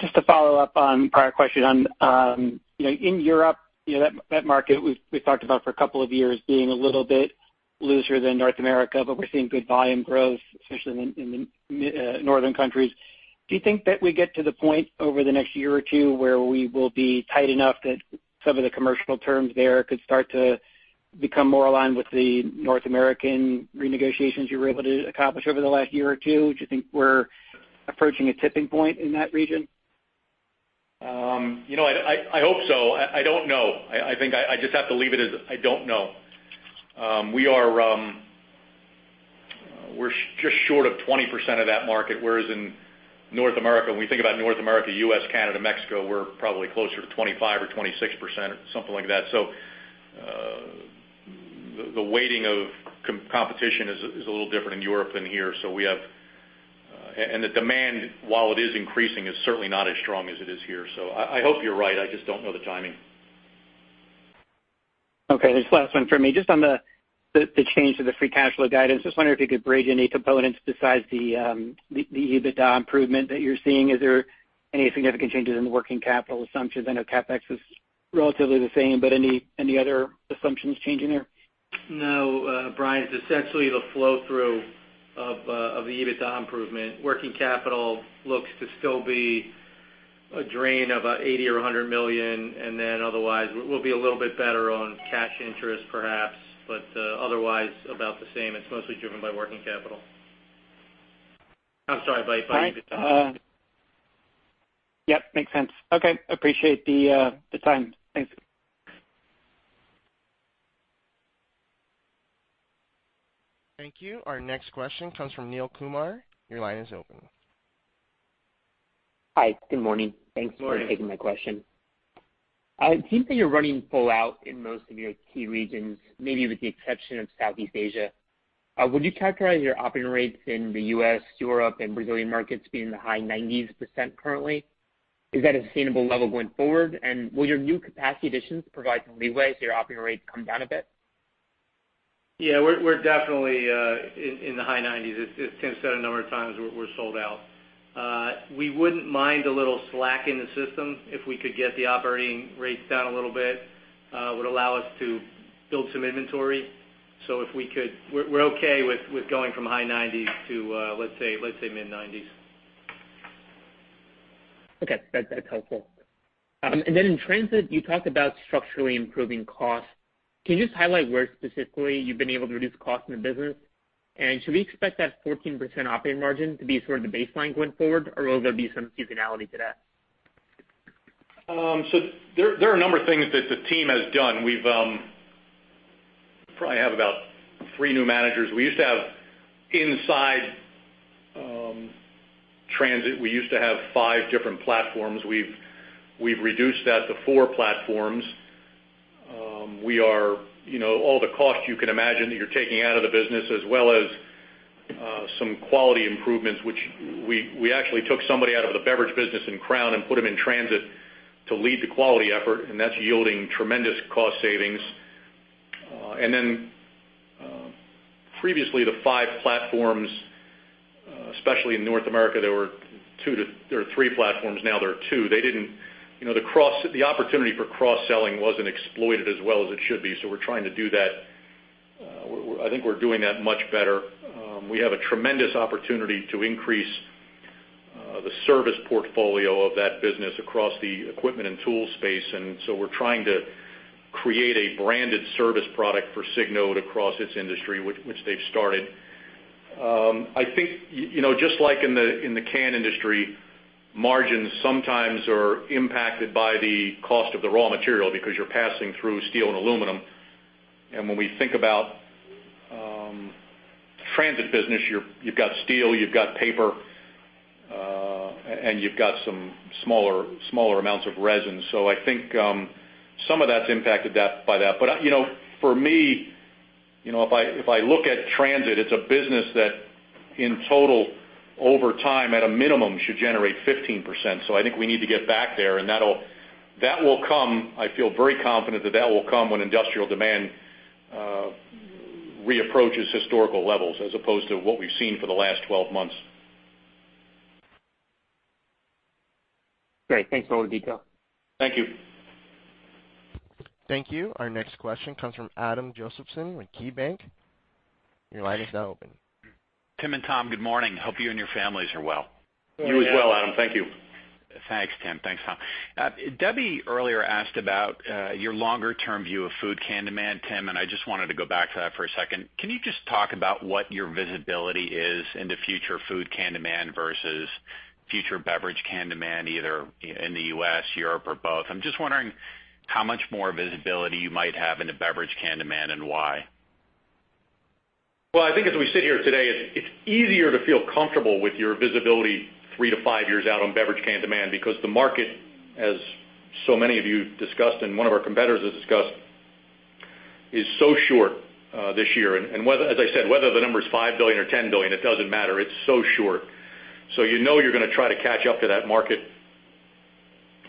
Just to follow up on a prior question on, in Europe, that market we've talked about for a couple of years being a little bit looser than North America, but we're seeing good volume growth, especially in the northern countries. Do you think that we get to the point over the next year or two where we will be tight enough that some of the commercial terms there could start to become more aligned with the North American renegotiations you were able to accomplish over the last year or two? Do you think we're approaching a tipping point in that region? I hope so. I don't know. I think I just have to leave it as I don't know. We're just short of 20% of that market, whereas in North America, when we think about North America, U.S., Canada, Mexico, we're probably closer to 25% or 26% or something like that. The weighting of competition is a little different in Europe than here. The demand, while it is increasing, is certainly not as strong as it is here. I hope you're right, I just don't know the timing. Okay, this is the last one from me. Just on the change to the free cash flow guidance, just wondering if you could break any components besides the EBITDA improvement that you're seeing. Is there any significant changes in the working capital assumptions? I know CapEx is relatively the same, but any other assumptions changing there? No, Brian. It's essentially the flow-through of the EBITDA improvement. Working capital looks to still be a drain of $80 million or $100 million, and then otherwise, we'll be a little bit better on cash interest, perhaps, but otherwise about the same. It's mostly driven by working capital. I'm sorry, by EBITDA. Yep, makes sense. Okay, appreciate the time. Thanks. Thank you. Our next question comes from Neel Kumar. Your line is open. Hi. Good morning. Good morning. Thanks for taking my question. It seems that you're running full out in most of your key regions, maybe with the exception of Southeast Asia. Would you characterize your operating rates in the U.S., Europe, and Brazilian markets being in the high 90s% currently? Is that a sustainable level going forward? Will your new capacity additions provide some leeway so your operating rates come down a bit? We're definitely in the high 90s. As Tim said a number of times, we're sold out. We wouldn't mind a little slack in the system if we could get the operating rates down a little bit. Would allow us to build some inventory. We're okay with going from high 90s to, let's say, mid-90s. Okay. That's helpful. In Transit, you talked about structurally improving costs. Can you just highlight where specifically you've been able to reduce costs in the business? Should we expect that 14% operating margin to be sort of the baseline going forward, or will there be some seasonality to that? There are a number of things that the team has done. We probably have about three new managers. We used to have inside Transit, we used to have five different platforms. We've reduced that to four platforms. All the costs you can imagine that you're taking out of the business as well as some quality improvements, which we actually took somebody out of the beverage business in Crown and put them in Transit to lead the quality effort, and that's yielding tremendous cost savings. Previously, the five platforms, especially in North America, there were three platforms. Now there are two. The opportunity for cross-selling wasn't exploited as well as it should be, so we're trying to do that. I think we're doing that much better. We have a tremendous opportunity to increase the service portfolio of that business across the equipment and tool space, we're trying to create a branded service product for Signode across its industry, which they've started. I think, just like in the can industry, margins sometimes are impacted by the cost of the raw material because you're passing through steel and aluminum. When we think about Transit Packaging, you've got steel, you've got paper, and you've got some smaller amounts of resin. I think some of that's impacted by that. For me, if I look at Transit Packaging, it's a business that in total, over time, at a minimum, should generate 15%. I think we need to get back there, and that will come. I feel very confident that that will come when industrial demand reapproaches historical levels as opposed to what we've seen for the last 12 months. Great. Thanks for all the detail. Thank you. Thank you. Our next question comes from Adam Josephson with KeyBanc. Your line is now open. Tim and Tom, good morning. Hope you and your families are well. You as well, Adam. Thank you. Thanks, Tim. Thanks, Tom. Debbie earlier asked about your longer-term view of food can demand, Tim. I just wanted to go back to that for a second. Can you just talk about what your visibility is into future food can demand versus future beverage can demand, either in the U.S., Europe, or both? I'm just wondering how much more visibility you might have into beverage can demand and why. I think as we sit here today, it's easier to feel comfortable with your visibility three to five years out on beverage can demand because the market, as so many of you discussed and one of our competitors has discussed, is so short this year. As I said, whether the number is $5 billion or $10 billion, it doesn't matter. It's so short. You know you're going to try to catch up to that market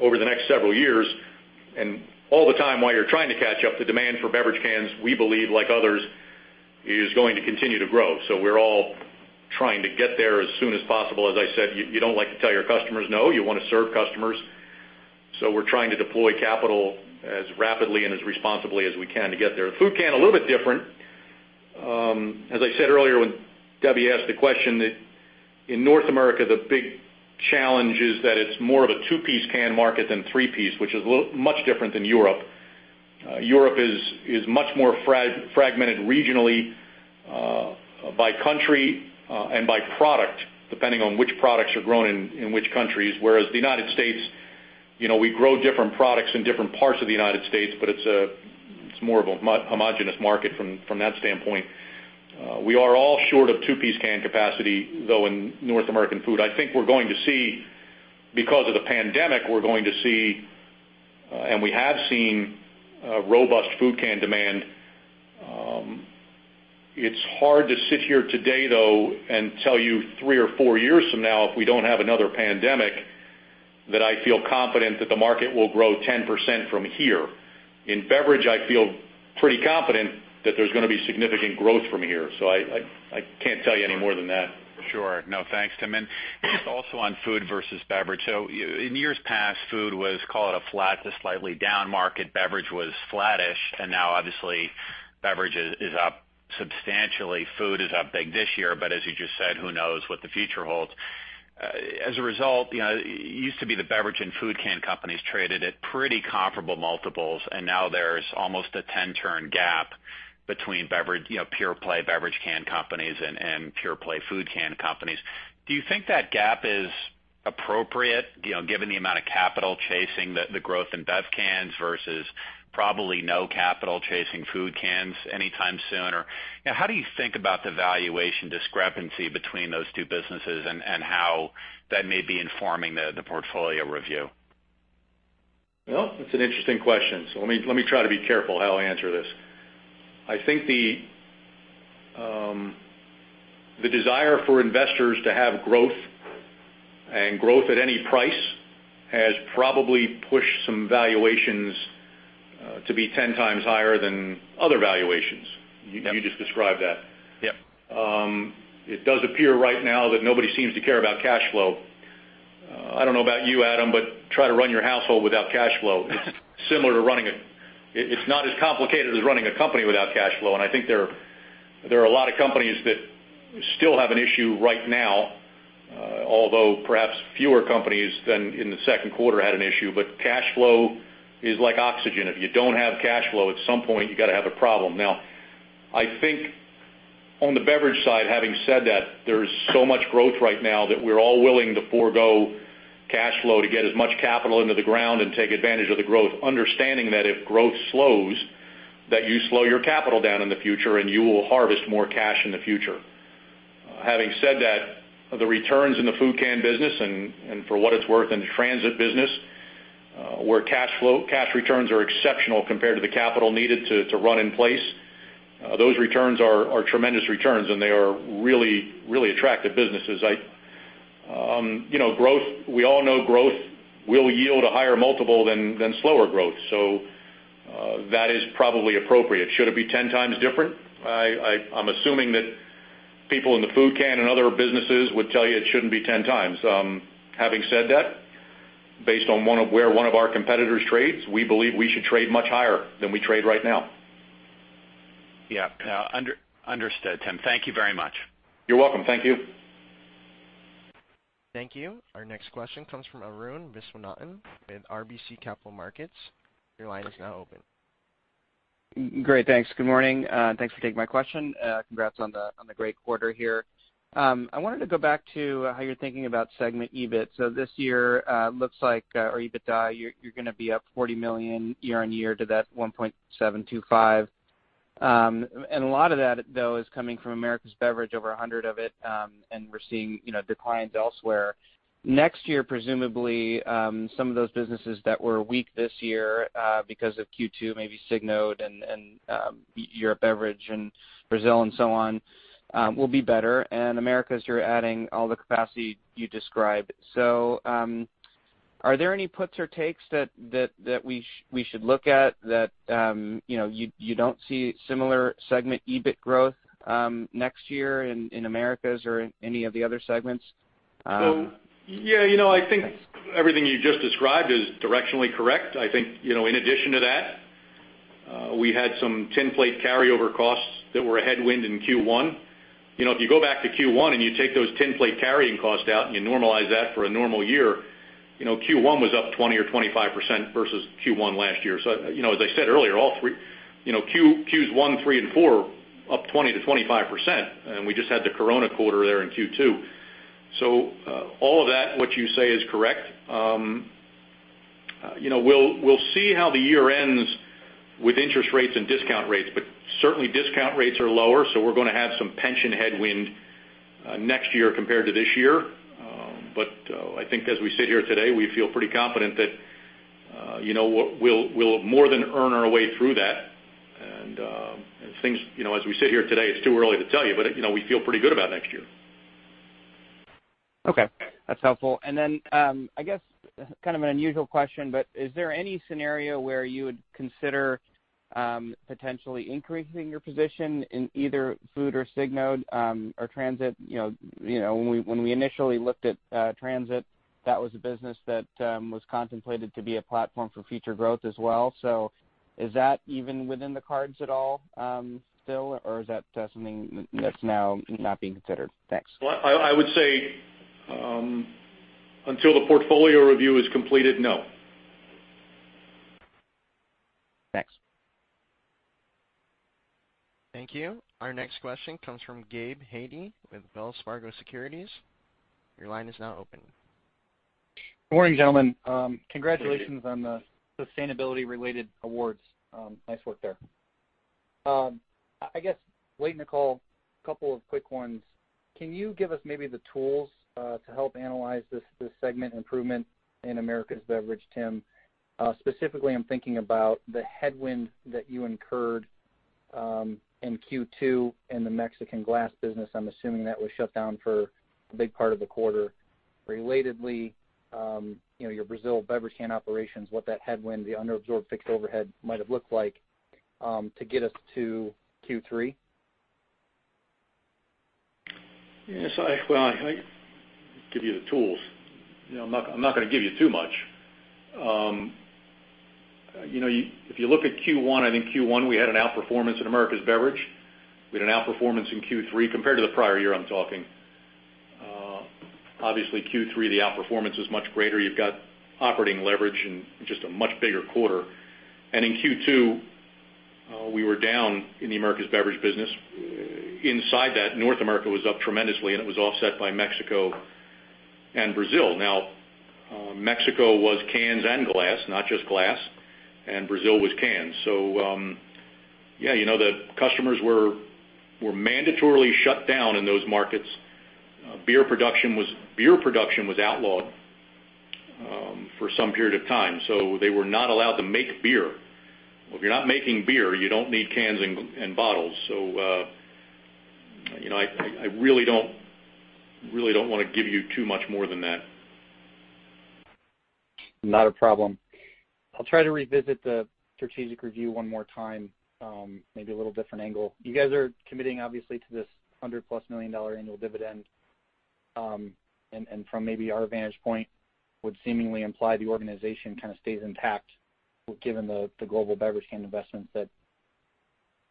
over the next several years, and all the time while you're trying to catch up, the demand for beverage cans, we believe, like others, is going to continue to grow. We're all trying to get there as soon as possible. As I said, you don't like to tell your customers no, you want to serve customers. We're trying to deploy capital as rapidly and as responsibly as we can to get there. Food can, a little bit different. As I said earlier when Debbie asked the question, in North America, the big challenge is that it's more of a two-piece can market than three-piece, which is much different than Europe. Europe is much more fragmented regionally, by country, and by product, depending on which products are grown in which countries. The United States, we grow different products in different parts of the United States, but it's more of a homogenous market from that standpoint. We are all short of two-piece can capacity, though, in North American food. I think because of the pandemic, we're going to see, and we have seen, robust food can demand. It's hard to sit here today, though, and tell you three or four years from now, if we don't have another pandemic, that I feel confident that the market will grow 10% from here. In beverage, I feel pretty confident that there's going to be significant growth from here. I can't tell you any more than that. Sure. No, thanks, Tim. Just also on food versus beverage. In years past, food was, call it a flat to slightly down market. Beverage was flattish, and now obviously beverage is up substantially. Food is up big this year, but as you just said, who knows what the future holds. As a result, it used to be the beverage and food can companies traded at pretty comparable multiples, and now there's almost a 10-turn gap between pure play beverage can companies and pure play food can companies. Do you think that gap is appropriate given the amount of capital chasing the growth in bev cans versus probably no capital chasing food cans anytime soon, or how do you think about the valuation discrepancy between those two businesses and how that may be informing the portfolio review? That's an interesting question, so let me try to be careful how I answer this. I think the desire for investors to have growth and growth at any price has probably pushed some valuations to be 10 times higher than other valuations. You just described that. Yep. It does appear right now that nobody seems to care about cash flow. I don't know about you, Adam, try to run your household without cash flow. It's not as complicated as running a company without cash flow. I think there are a lot of companies that still have an issue right now, although perhaps fewer companies than in the second quarter had an issue. Cash flow is like oxygen. If you don't have cash flow, at some point, you got to have a problem. Now, I think on the beverage side, having said that, there's so much growth right now that we're all willing to forego cash flow to get as much capital into the ground and take advantage of the growth, understanding that if growth slows, that you slow your capital down in the future and you will harvest more cash in the future. Having said that, the returns in the food can business, and for what it's worth, in the Transit business, where cash returns are exceptional compared to the capital needed to run in place, those returns are tremendous returns, and they are really attractive businesses. We all know growth will yield a higher multiple than slower growth, so that is probably appropriate. Should it be 10x different? I'm assuming that people in the food can and other businesses would tell you it shouldn't be 10x. Having said that, based on where one of our competitors trades, we believe we should trade much higher than we trade right now. Yeah. Understood, Tim. Thank you very much. You're welcome. Thank you. Thank you. Our next question comes from Arun Viswanathan with RBC Capital Markets. Your line is now open. Great. Thanks. Good morning. Thanks for taking my question. Congrats on the great quarter here. I wanted to go back to how you're thinking about segment EBIT. This year, looks like our EBITDA, you're going to be up $40 million year-over-year to that 1.725. A lot of that, though, is coming from Americas Beverage, over $100 million of it, and we're seeing declines elsewhere. Next year, presumably, some of those businesses that were weak this year, because of Q2, maybe Signode and European Beverage and Brazil and so on, will be better. Americas, you're adding all the capacity you described. Are there any puts or takes that we should look at that you don't see similar segment EBIT growth next year in Americas or any of the other segments? Yeah, I think everything you just described is directionally correct. I think, in addition to that, we had some tin plate carryover costs that were a headwind in Q1. If you go back to Q1 and you take those tin plate carrying costs out and you normalize that for a normal year, Q1 was up 20% or 25% versus Q1 last year. As I said earlier, Qs 1, 3, and 4 are up 20%-25%, and we just had the Corona quarter there in Q2. All of that, what you say is correct. We'll see how the year ends with interest rates and discount rates, but certainly discount rates are lower, so we're going to have some pension headwind next year compared to this year. I think as we sit here today, we feel pretty confident that we'll more than earn our way through that. As we sit here today, it's too early to tell you, but we feel pretty good about next year. Okay. That's helpful. I guess kind of an unusual question, but is there any scenario where you would consider potentially increasing your position in either food or Signode or Transit? When we initially looked at Transit, that was a business that was contemplated to be a platform for future growth as well. Is that even within the cards at all still, or is that something that's now not being considered? Thanks. I would say, until the portfolio review is completed, no. Thanks. Thank you. Our next question comes from Gabe Hajde with Wells Fargo Securities. Your line is now open. Good morning, gentlemen. Good morning. Congratulations on the sustainability-related awards. Nice work there. I guess late in the call, a couple of quick ones. Can you give us maybe the tools to help analyze this segment improvement in Americas Beverage, Tim? Specifically, I'm thinking about the headwind that you incurred in Q2 in the Mexican glass business. I'm assuming that was shut down for a big part of the quarter. Relatedly, your Brazil beverage can operations, what that headwind, the unabsorbed fixed overhead might have looked like to get us to Q3. Yes. Well, I can give you the tools. I'm not going to give you too much. If you look at Q1, I think Q1 we had an outperformance in Americas Beverage. We had an outperformance in Q3 compared to the prior year, I'm talking. Obviously, Q3, the outperformance was much greater. You've got operating leverage and just a much bigger quarter. In Q2, we were down in the Americas Beverage business. Inside that, North America was up tremendously, and it was offset by Mexico and Brazil. Mexico was cans and glass, not just glass, and Brazil was cans. Yeah, the customers were mandatorily shut down in those markets. Beer production was outlawed for some period of time, so they were not allowed to make beer. Well, if you're not making beer, you don't need cans and bottles. I really don't want to give you too much more than that. Not a problem. I'll try to revisit the strategic review one more time, maybe a little different angle. You guys are committing, obviously, to this $100-plus million annual dividend. From maybe our vantage point would seemingly imply the organization kind of stays intact, given the global beverage can investments that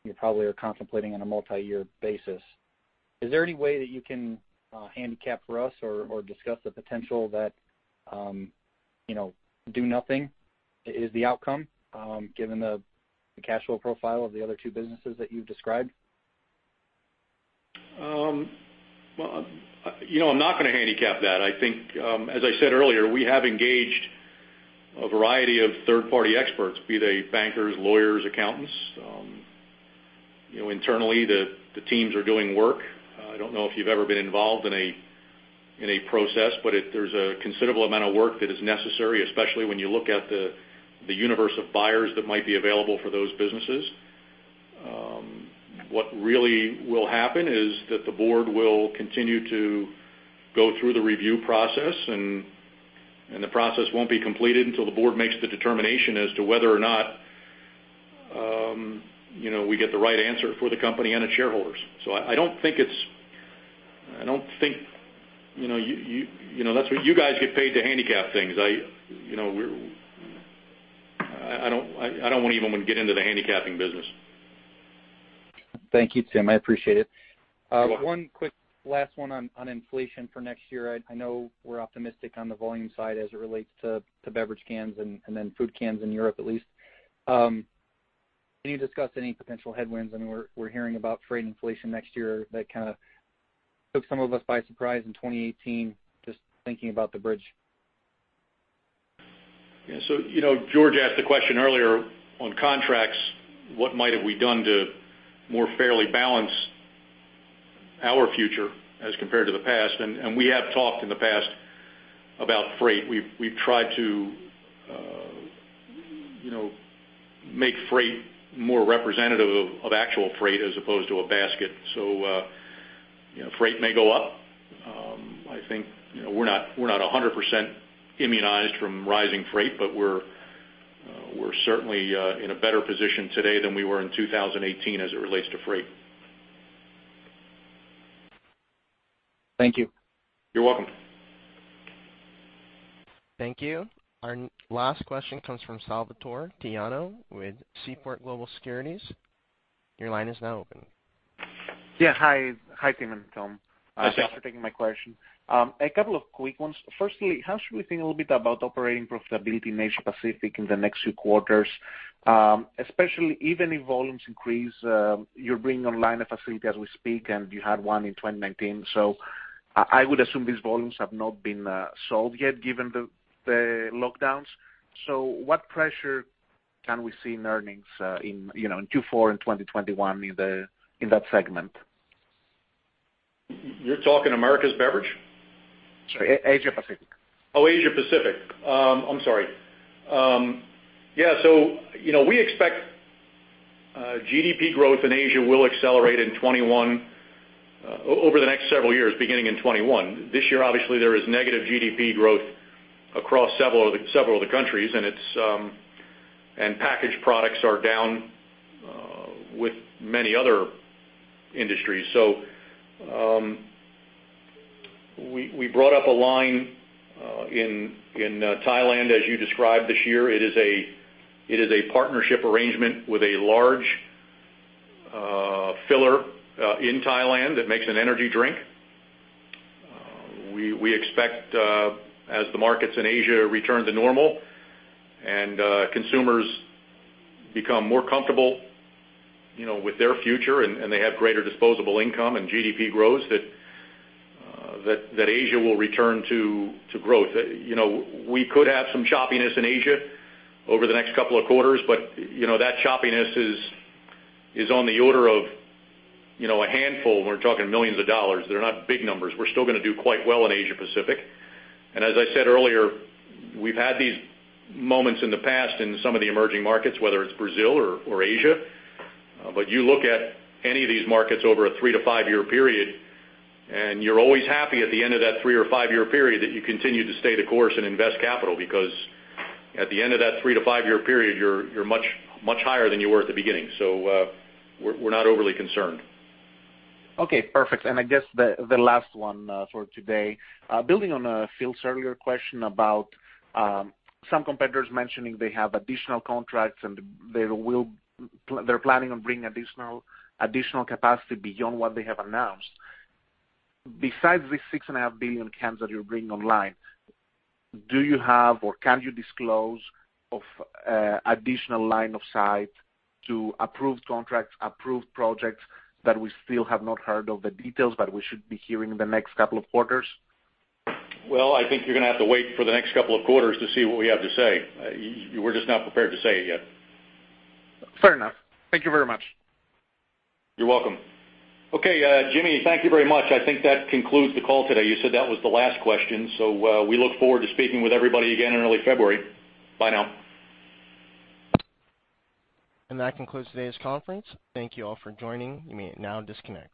you probably are contemplating on a multi-year basis. Is there any way that you can handicap for us or discuss the potential that do nothing is the outcome, given the cash flow profile of the other two businesses that you've described? Well, I'm not going to handicap that. I think, as I said earlier, we have engaged a variety of third-party experts, be they bankers, lawyers, accountants. Internally, the teams are doing work. I don't know if you've ever been involved in a process, but there's a considerable amount of work that is necessary, especially when you look at the universe of buyers that might be available for those businesses. What really will happen is that the board will continue to go through the review process, and the process won't be completed until the board makes the determination as to whether or not we get the right answer for the company and its shareholders. You guys get paid to handicap things. I don't even want to get into the handicapping business. Thank you, Tim. I appreciate it. You're welcome. One quick last one on inflation for next year. I know we're optimistic on the volume side as it relates to beverage cans and then food cans in Europe at least. Can you discuss any potential headwinds? I mean, we're hearing about freight inflation next year. That kind of took some of us by surprise in 2018, just thinking about the bridge. Yeah. George asked the question earlier on contracts, what might have we done to more fairly balance our future as compared to the past? We have talked in the past about freight. We've tried to make freight more representative of actual freight as opposed to a basket. Freight may go up. I think we're not 100% immunized from rising freight, but we're certainly in a better position today than we were in 2018 as it relates to freight. Thank you. You're welcome. Thank you. Our last question comes from Salvator Tiano with Seaport Global Securities. Hi, Tim and Tom. Hi. Thanks for taking my question. A couple of quick ones. How should we think a little bit about operating profitability in Asia Pacific in the next few quarters? Even if volumes increase, you're bringing online a facility as we speak, and you had one in 2019. I would assume these volumes have not been solved yet given the lockdowns. What pressure can we see in earnings in Q4 in 2021 in that segment? You're talking Americas Beverage? Sorry. Asia Pacific. Asia Pacific. I'm sorry. Yeah. We expect GDP growth in Asia will accelerate in 2021, over the next several years, beginning in 2021. This year, obviously, there is negative GDP growth across several of the countries, and packaged products are down with many other industries. We brought up a line in Thailand, as you described this year. It is a partnership arrangement with a large filler in Thailand that makes an energy drink. We expect as the markets in Asia return to normal and consumers become more comfortable with their future and they have greater disposable income and GDP grows, that Asia will return to growth. We could have some choppiness in Asia over the next couple of quarters, that choppiness is on the order of a handful. We're talking millions of dollars. They're not big numbers. We're still going to do quite well in Asia Pacific. As I said earlier, we've had these moments in the past in some of the emerging markets, whether it's Brazil or Asia. You look at any of these markets over a three to five-year period, and you're always happy at the end of that three or five-year period that you continue to stay the course and invest capital because at the end of that three to five-year period, you're much higher than you were at the beginning. We're not overly concerned. Okay, perfect. I guess the last one for today. Building on Phil's earlier question about some competitors mentioning they have additional contracts and they're planning on bringing additional capacity beyond what they have announced. Besides the 6.5 billion cans that you're bringing online, do you have or can you disclose of additional line of sight to approved contracts, approved projects that we still have not heard of the details, but we should be hearing in the next couple of quarters? Well, I think you're going to have to wait for the next couple of quarters to see what we have to say. We're just not prepared to say it yet. Fair enough. Thank you very much. You're welcome. Okay. Jimmy, thank you very much. I think that concludes the call today. You said that was the last question. We look forward to speaking with everybody again in early February. Bye now. That concludes today's conference. Thank you all for joining. You may now disconnect.